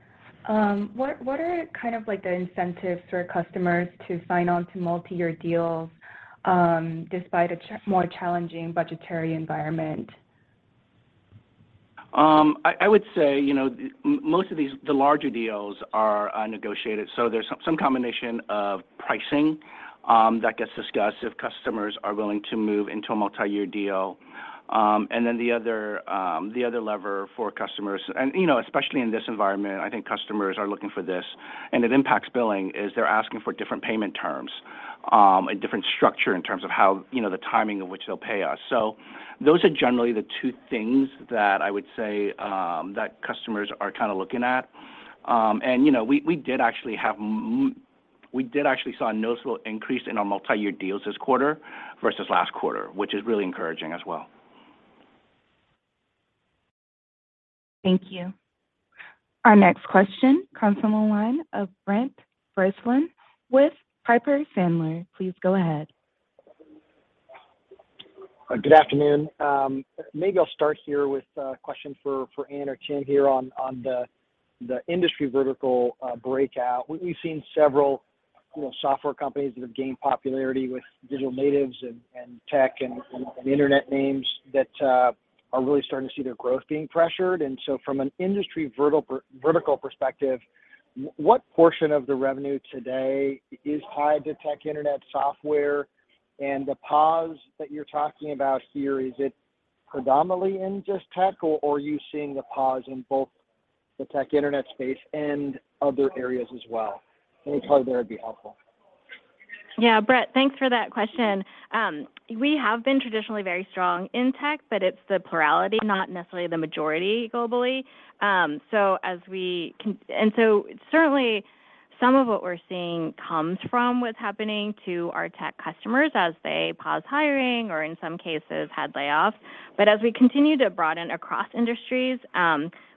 What are kind of, like, the incentives for customers to sign on to multi-year deals, despite a more challenging budgetary environment? I would say, you know, the larger deals are negotiated, so there's some combination of pricing that gets discussed if customers are willing to move into a multi-year deal. The other lever for customers, you know, especially in this environment, I think customers are looking for this, and it impacts billing, is they're asking for different payment terms, a different structure in terms of how, you know, the timing of which they'll pay us. Those are generally the two things that I would say that customers are kinda looking at. You know, we did actually saw a noticeable increase in our multi-year deals this quarter versus last quarter, which is really encouraging as well. Thank you. Our next question comes from the line of Brent Bracelin with Piper Sandler. Please go ahead. Good afternoon. Maybe I'll start here with a question for Anne or Chin on the industry vertical breakout. We've seen several, you know, software companies that have gained popularity with digital natives and tech and Internet names that are really starting to see their growth being pressured. From an industry vertical perspective, what portion of the revenue today is tied to tech Internet software? The pause that you're talking about here, is it predominantly in just tech, or are you seeing the pause in both the tech Internet space and other areas as well? Any color there would be helpful. Yeah. Brent, thanks for that question. We have been traditionally very strong in tech, but it's the plurality, not necessarily the majority globally. Certainly some of what we're seeing comes from what's happening to our tech customers as they pause hiring or, in some cases, had layoffs. As we continue to broaden across industries,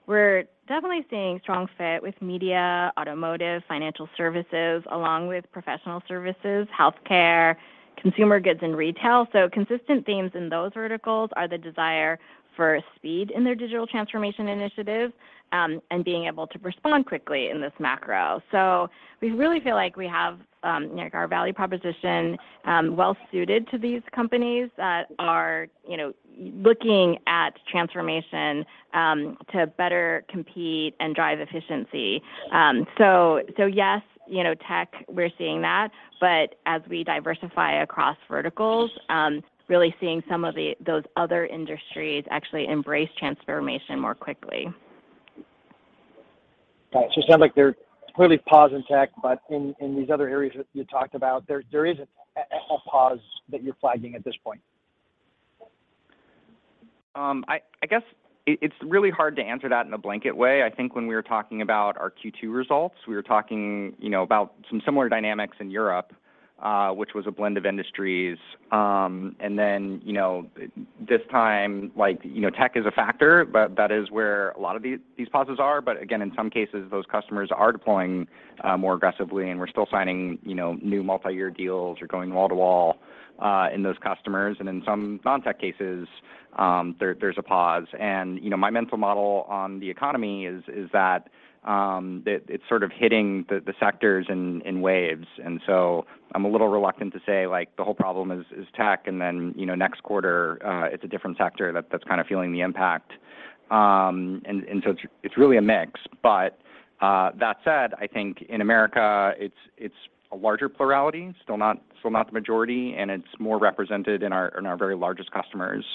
we're definitely seeing strong fit with media, automotive, financial services, along with professional services, healthcare, consumer goods, and retail. Consistent themes in those verticals are the desire for speed in their digital transformation initiatives, and being able to respond quickly in this macro. We really feel like we have, you know, our value proposition, well suited to these companies that are, you know, looking at transformation, to better compete and drive efficiency. Yes, you know, tech, we're seeing that, but as we diversify across verticals, really seeing some of those other industries actually embrace transformation more quickly. Got it. It sounds like there's clearly pause in tech, but in these other areas that you talked about, there isn't a pause that you're flagging at this point. I guess it's really hard to answer that in a blanket way. I think when we were talking about our Q2 results, we were talking, you know, about some similar dynamics in Europe, which was a blend of industries. You know, this time, like, you know, tech is a factor, but that is where a lot of these pauses are. Again, in some cases, those customers are deploying more aggressively, and we're still signing, you know, new multi-year deals or going wall to wall in those customers. In some non-tech cases, there's a pause. You know, my mental model on the economy is that it's sort of hitting the sectors in waves. I'm a little reluctant to say, like, the whole problem is tech, and then, you know, next quarter, it's a different sector that's kind of feeling the impact. It's, it's really a mix. That said, I think in America it's a larger plurality, still not the majority, and it's more represented in our, in our very largest customers.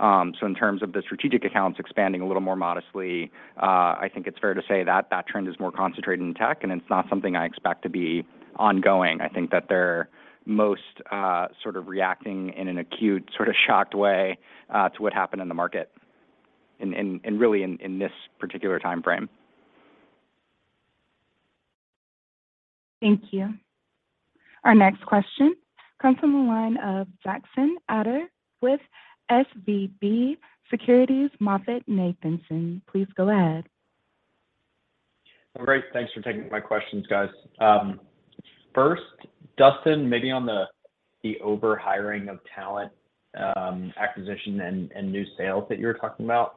In terms of the strategic accounts expanding a little more modestly, I think it's fair to say that that trend is more concentrated in tech, and it's not something I expect to be ongoing. I think that they're most, sort of reacting in an acute sort of shocked way, to what happened in the market and really in this particular timeframe. Thank you. Our next question comes from the line of Jackson Ader with SVB Securities MoffettNathanson. Please go ahead. Great. Thanks for taking my questions, guys. First, Dustin Moskovitz, maybe on the over-hiring of talent, acquisition and new sales that you were talking about.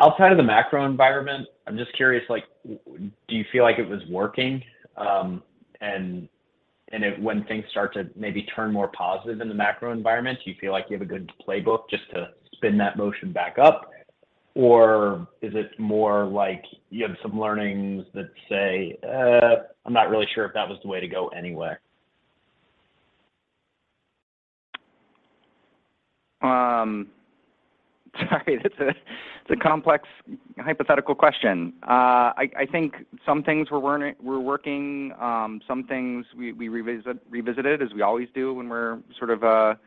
Outside of the macro environment, I'm just curious, like, do you feel like it was working? And if when things start to maybe turn more positive in the macro environment, do you feel like you have a good playbook just to spin that motion back up? Or is it more like you have some learnings that say, "I'm not really sure if that was the way to go anyway"? Sorry, it's a complex hypothetical question. I think some things were working, some things we revisited as we always do when we're sort of,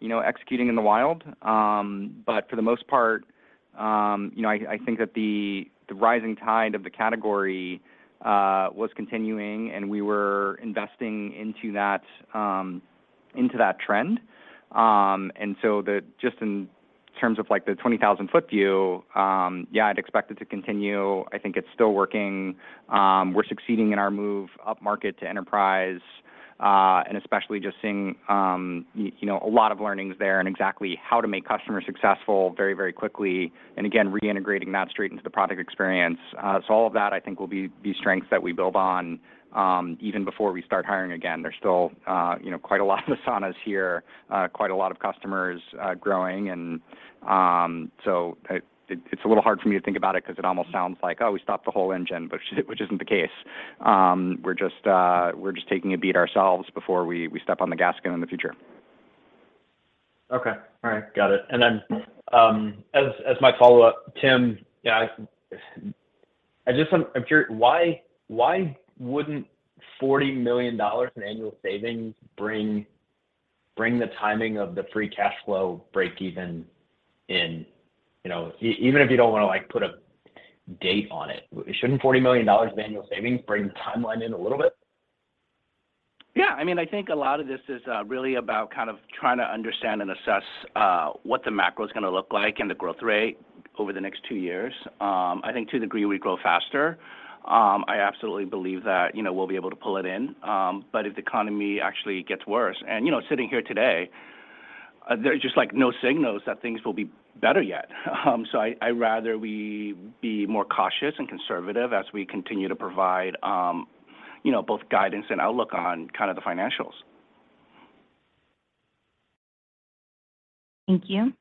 you know, executing in the wild. For the most part, you know, I think that the rising tide of the category was continuing, and we were investing into that into that trend. Just in terms of like the 20,000 ft view, yeah, I'd expect it to continue. I think it's still working. We're succeeding in our move upmarket to enterprise, and especially just seeing, you know, a lot of learnings there in exactly how to make customers successful very, very quickly, and again, reintegrating that straight into the product experience. All of that I think will be strengths that we build on, even before we start hiring again. There's still, you know, quite a lot of Asanas here, quite a lot of customers, growing. It's a little hard for me to think about it 'cause it almost sounds like, oh, we stopped the whole engine, which isn't the case. We're just taking a beat ourselves before we step on the gas again in the future. Okay. All right. Got it. As my follow-up, Tim, I just want why wouldn't $40 million in annual savings bring the timing of the free cash flow breakeven in, you know, even if you don't wanna like put a date on it, shouldn't $40 million of annual savings bring the timeline in a little bit? Yeah. I mean, I think a lot of this is really about kind of trying to understand and assess what the macro's gonna look like and the growth rate over the next two years. I think to the degree we grow faster, I absolutely believe that, you know, we'll be able to pull it in. If the economy actually gets worse, and, you know, sitting here today, there's just like no signals that things will be better yet. I rather we be more cautious and conservative as we continue to provide, you know, both guidance and outlook on kind of the financials. Thank you.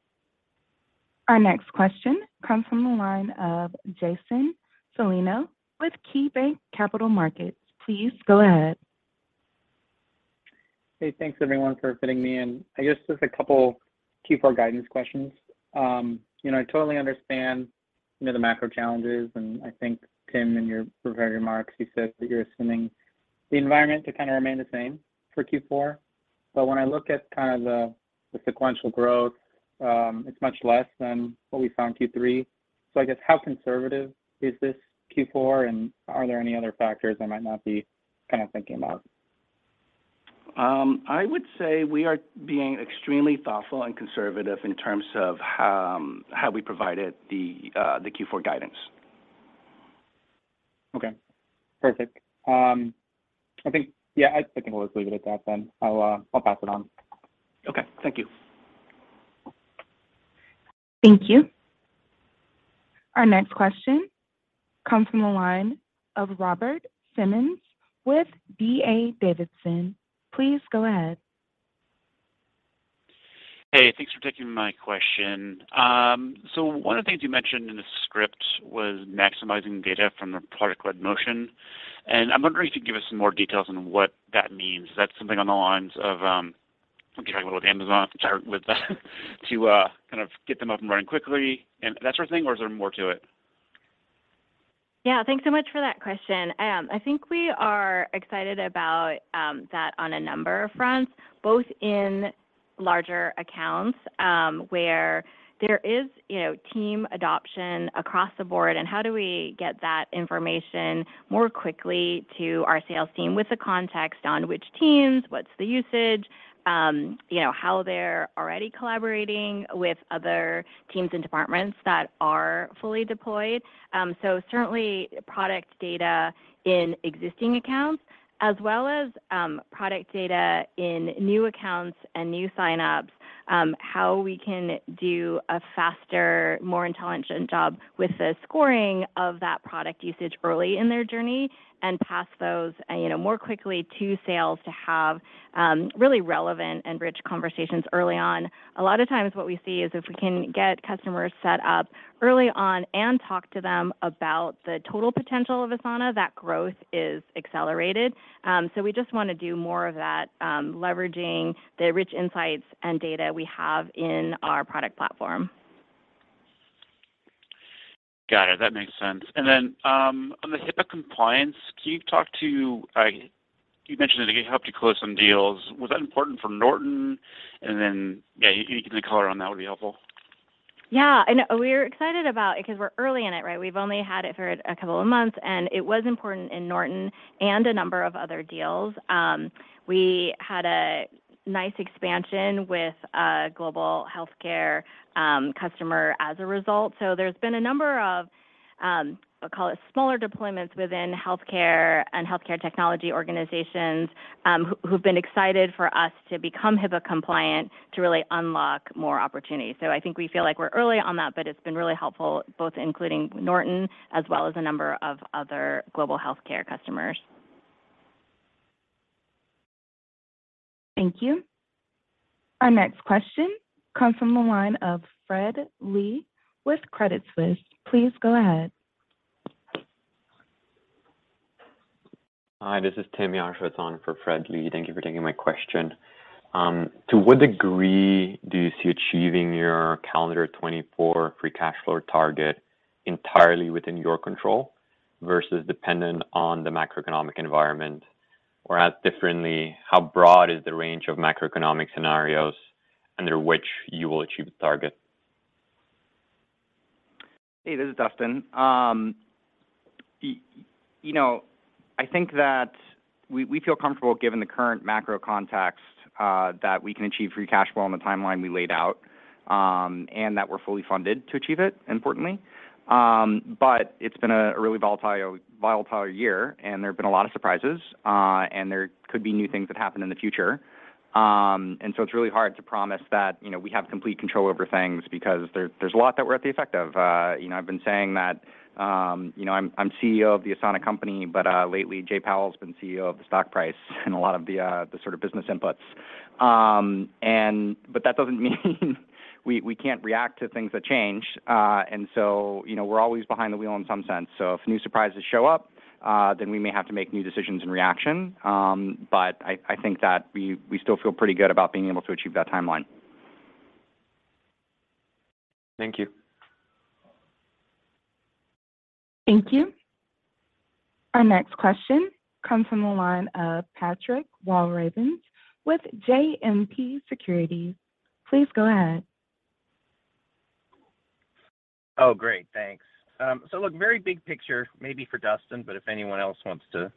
Our next question comes from the line of Jason Celino with KeyBanc Capital Markets. Please go ahead. Hey, thanks everyone for fitting me in. I guess just a couple Q4 guidance questions. you know, I totally understand, you know, the macro challenges, and I think Tim, in your prepared remarks, you said that you're assuming the environment to kind of remain the same for Q4. When I look at kind of the sequential growth, it's much less than what we saw in Q3. I guess how conservative is this Q4, and are there any other factors I might not be kind of thinking about? I would say we are being extremely thoughtful and conservative in terms of how we provided the Q4 guidance. Okay. Perfect. I think, yeah, I think we'll just leave it at that then. I'll pass it on. Okay. Thank you. Thank you. Our next question comes from the line of Robert Simmons with D.A. Davidson. Please go ahead. Hey, thanks for taking my question. One of the things you mentioned in the script was maximizing data from the product-led motion, and I'm wondering if you could give us some more details on what that means. Is that something along the lines of, I'm thinking about with Amazon to start with, to kind of get them up and running quickly and that sort of thing, or is there more to it? Yeah. Thanks so much for that question. I think we are excited about that on a number of fronts, both in larger accounts, where there is, you know, team adoption across the board, and how do we get that information more quickly to our sales team with the context on which teams, what's the usage, you know, how they're already collaborating with other teams and departments that are fully deployed. Certainly product data in existing accounts as well as product data in new accounts and new signups, how we can do a faster, more intelligent job with the scoring of that product usage early in their journey and pass those, you know, more quickly to sales to have really relevant and rich conversations early on. A lot of times what we see is if we can get customers set up early on and talk to them about the total potential of Asana, that growth is accelerated. We just wanna do more of that, leveraging the rich insights and data we have in our product platform. Got it. That makes sense. On the HIPAA compliance, can you talk to, you mentioned that it helped you close some deals? Was that important for Norton? Yeah, any color on that would be helpful. Yeah. We're excited about it 'cause we're early in it, right? We've only had it for a couple of months, and it was important in Norton and a number of other deals. We had a nice expansion with a global healthcare customer as a result. There's been a number of, I'll call it smaller deployments within healthcare and healthcare technology organizations, who've been excited for us to become HIPAA-compliant to really unlock more opportunities. I think we feel like we're early on that, but it's been really helpful, both including Norton as well as a number of other global healthcare customers. Thank you. Our next question comes from the line of Fred Lee with Credit Suisse. Please go ahead Hi, this is Tim [Schouten] for Fred Lee. Thank you for taking my question. To what degree do you see achieving your calendar 2024 free cash flow target entirely within your control versus dependent on the macroeconomic environment? Asked differently, how broad is the range of macroeconomic scenarios under which you will achieve the target? Hey, this is Dustin. You know, I think that we feel comfortable given the current macro context, that we can achieve free cash flow on the timeline we laid out, and that we're fully funded to achieve it, importantly. It's been a really volatile year, and there have been a lot of surprises, and there could be new things that happen in the future. It's really hard to promise that, you know, we have complete control over things because there's a lot that we're at the effect of. You know, I've been saying that, you know, I'm CEO of the Asana company, lately Jay Powell's been CEO of the stock price in a lot of the sort of business inputs. That doesn't mean we can't react to things that change. You know, we're always behind the wheel in some sense. If new surprises show up, then we may have to make new decisions in reaction. I think that we still feel pretty good about being able to achieve that timeline. Thank you. Thank you. Our next question comes from the line of Patrick Walravens with JMP Securities. Please go ahead. Oh, great. Thanks. Look, very big picture maybe for Dustin, but if anyone else wants to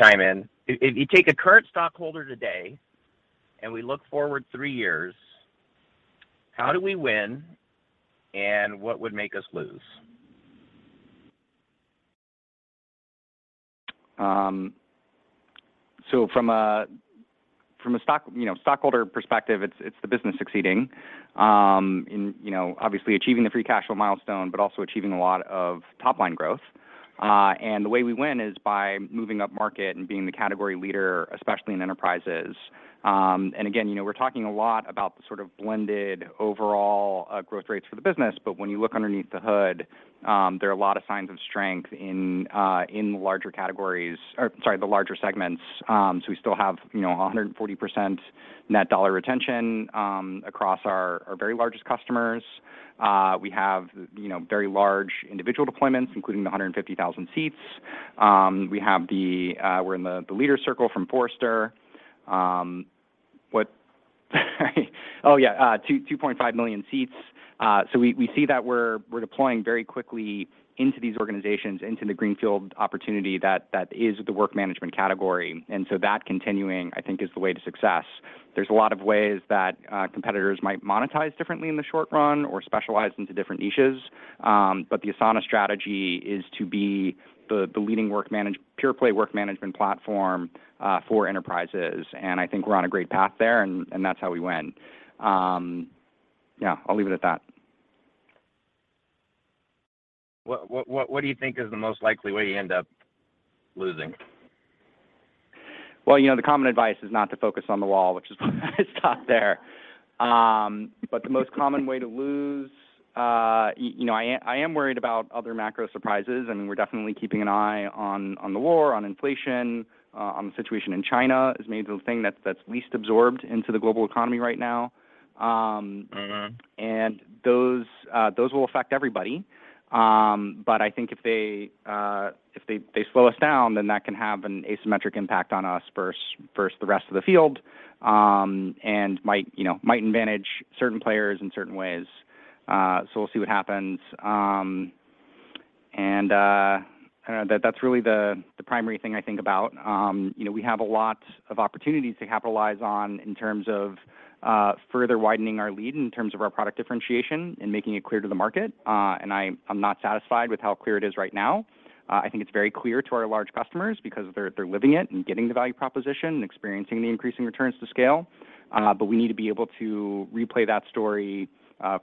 chime in. If you take a current stockholder today and we look forward three years, how do we win, and what would make us lose? From a, from a stock, you know, stockholder perspective, it's the business succeeding, in, you know, obviously achieving the free cash flow milestone, but also achieving a lot of top-line growth. The way we win is by moving up market and being the category leader, especially in enterprises. Again, you know, we're talking a lot about the sort of blended overall, growth rates for the business, but when you look underneath the hood, there are a lot of signs of strength in the larger categories or, sorry, the larger segments. We still have, you know, 140% net dollar retention, across our very largest customers. We have, you know, very large individual deployments, including the 150,000 seats. We have the, we're in the leader circle from Forrester. What Oh, yeah, 2.5 million seats. So we see that we're deploying very quickly into these organizations, into the greenfield opportunity that is the work management category. That continuing, I think, is the way to success. There's a lot of ways that competitors might monetize differently in the short run or specialize into different niches. The Asana strategy is to be the leading pure play work management platform, for enterprises, and I think we're on a great path there, and that's how we win. Yeah, I'll leave it at that. What do you think is the most likely way you end up losing? Well, you know, the common advice is not to focus on the wall, which is why I stopped there. The most common way to lose, you know, I am worried about other macro surprises, and we're definitely keeping an eye on the war, on inflation, on the situation in China is maybe the thing that's least absorbed into the global economy right now. Mm-hmm And those will affect everybody. I think if they slow us down, then that can have an asymmetric impact on us versus the rest of the field, and might, you know, might advantage certain players in certain ways. We'll see what happens. I don't know, that's really the primary thing I think about. You know, we have a lot of opportunities to capitalize on in terms of further widening our lead in terms of our product differentiation and making it clear to the market. I'm not satisfied with how clear it is right now. I think it's very clear to our large customers because they're living it and getting the value proposition and experiencing the increasing returns to scale. We need to be able to replay that story,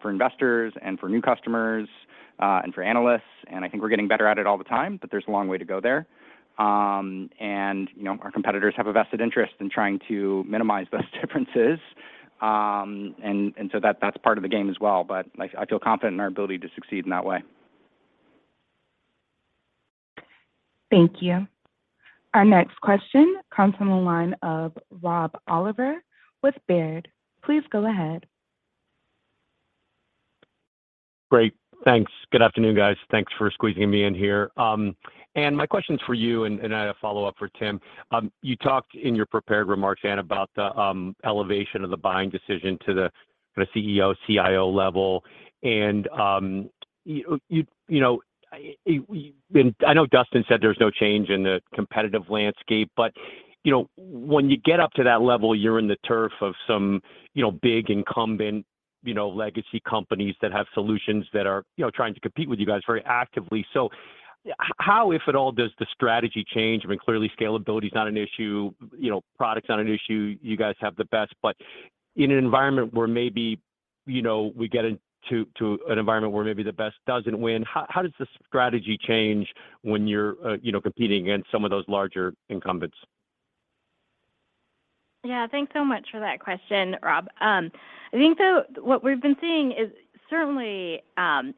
for investors and for new customers, and for analysts, and I think we're getting better at it all the time, but there's a long way to go there. You know, our competitors have a vested interest in trying to minimize those differences. That, that's part of the game as well. Like, I feel confident in our ability to succeed in that way. Thank you. Our next question comes from the line of Rob Oliver with Baird. Please go ahead. Great. Thanks. Good afternoon, guys. Thanks for squeezing me in here. Anne, my question's for you and a follow-up for Tim. You talked in your prepared remarks, Anne, about the elevation of the buying decision to the CEO, CIO level. You, you know, and I know Dustin said there's no change in the competitive landscape, but, you know, when you get up to that level, you're in the turf of some, you know, big incumbent, you know, legacy companies that have solutions that are, you know, trying to compete with you guys very actively. How, if at all, does the strategy change? I mean, clearly scalability is not an issue, you know, product's not an issue. You guys have the best. In an environment where maybe, you know, we get into an environment where maybe the best doesn't win, how does the strategy change when you're, you know, competing against some of those larger incumbents? Yeah, thanks so much for that question, Rob. I think what we've been seeing is certainly,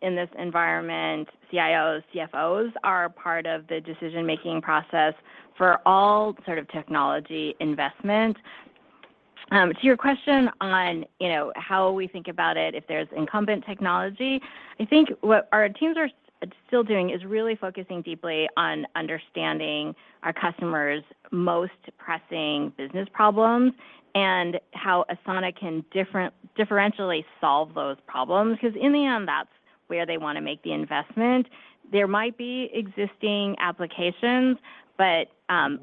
in this environment, CIOs, CFOs are a part of the decision-making process for all sort of technology investment. To your question on, you know, how we think about it if there's incumbent technology, I think what our teams are still doing is really focusing deeply on understanding our customers' most pressing business problems and how Asana can differentially solve those problems. 'Cause in the end, that's where they wanna make the investment. There might be existing applications, but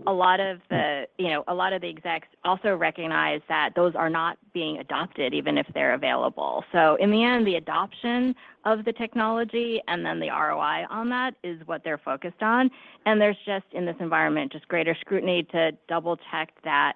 a lot of the, you know, a lot of the execs also recognize that those are not being adopted even if they're available. In the end, the adoption of the technology and then the ROI on that is what they're focused on, and there's just, in this environment, just greater scrutiny to double-check that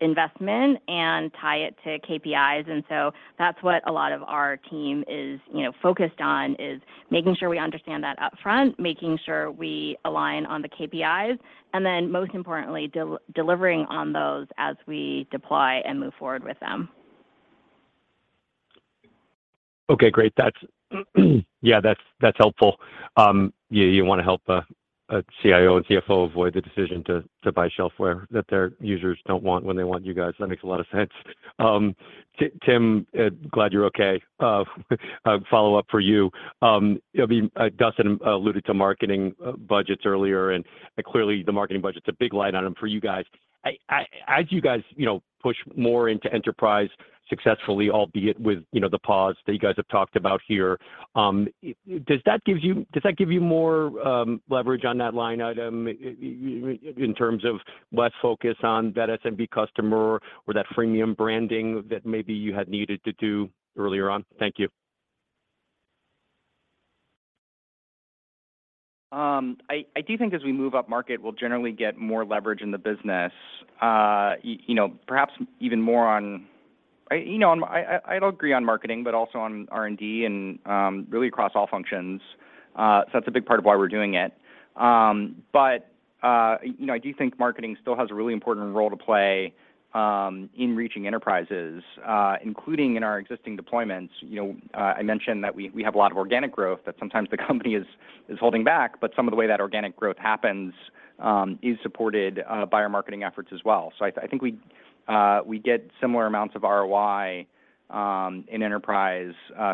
investment and tie it to KPIs. That's what a lot of our team is, you know, focused on, is making sure we understand that upfront, making sure we align on the KPIs, and then most importantly, delivering on those as we deploy and move forward with them. Okay, great. That's helpful. Yeah, you wanna help a CIO and CFO avoid the decision to buy shelfware that their users don't want when they want you guys. That makes a lot of sense. Tim, glad you're okay. A follow-up for you. You know, I mean, Dustin alluded to marketing budgets earlier, and clearly the marketing budget's a big line item for you guys. As you guys, you know, push more into enterprise successfully, albeit with, you know, the pause that you guys have talked about here, does that give you more leverage on that line item in terms of less focus on that SMB customer or that freemium branding that maybe you had needed to do earlier on? Thank you. I do think as we move upmarket, we'll generally get more leverage in the business. You know, perhaps even more on. You know, and I'll agree on marketing, but also on R&D and really across all functions. That's a big part of why we're doing it. You know, I do think marketing still has a really important role to play in reaching enterprises, including in our existing deployments. You know, I mentioned that we have a lot of organic growth that sometimes the company is holding back, but some of the way that organic growth happens, is supported by our marketing efforts as well. I think we get similar amounts of ROI in enterprise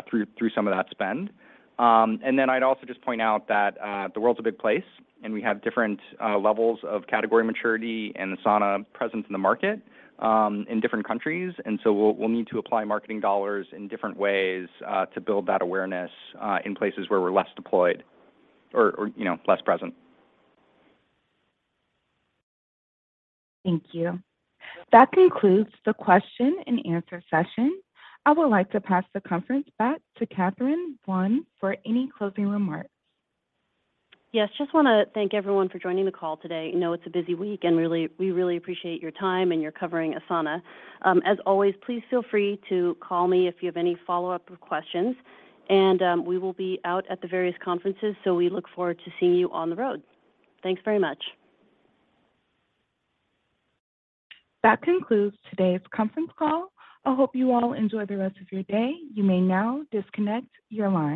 through some of that spend. I'd also just point out that the world's a big place, and we have different levels of category maturity and Asana presence in the market, in different countries. We'll, we'll need to apply marketing dollars in different ways, to build that awareness, in places where we're less deployed or, you know, less present. Thank you. That concludes the question-and-answer session. I would like to pass the conference back to Catherine Buan for any closing remarks. Yes. Just wanna thank everyone for joining the call today. I know it's a busy week, and really, we really appreciate your time and your covering Asana. As always, please feel free to call me if you have any follow-up questions. We will be out at the various conferences, so we look forward to seeing you on the road. Thanks very much. That concludes today's conference call. I hope you all enjoy the rest of your day. You may now disconnect your line.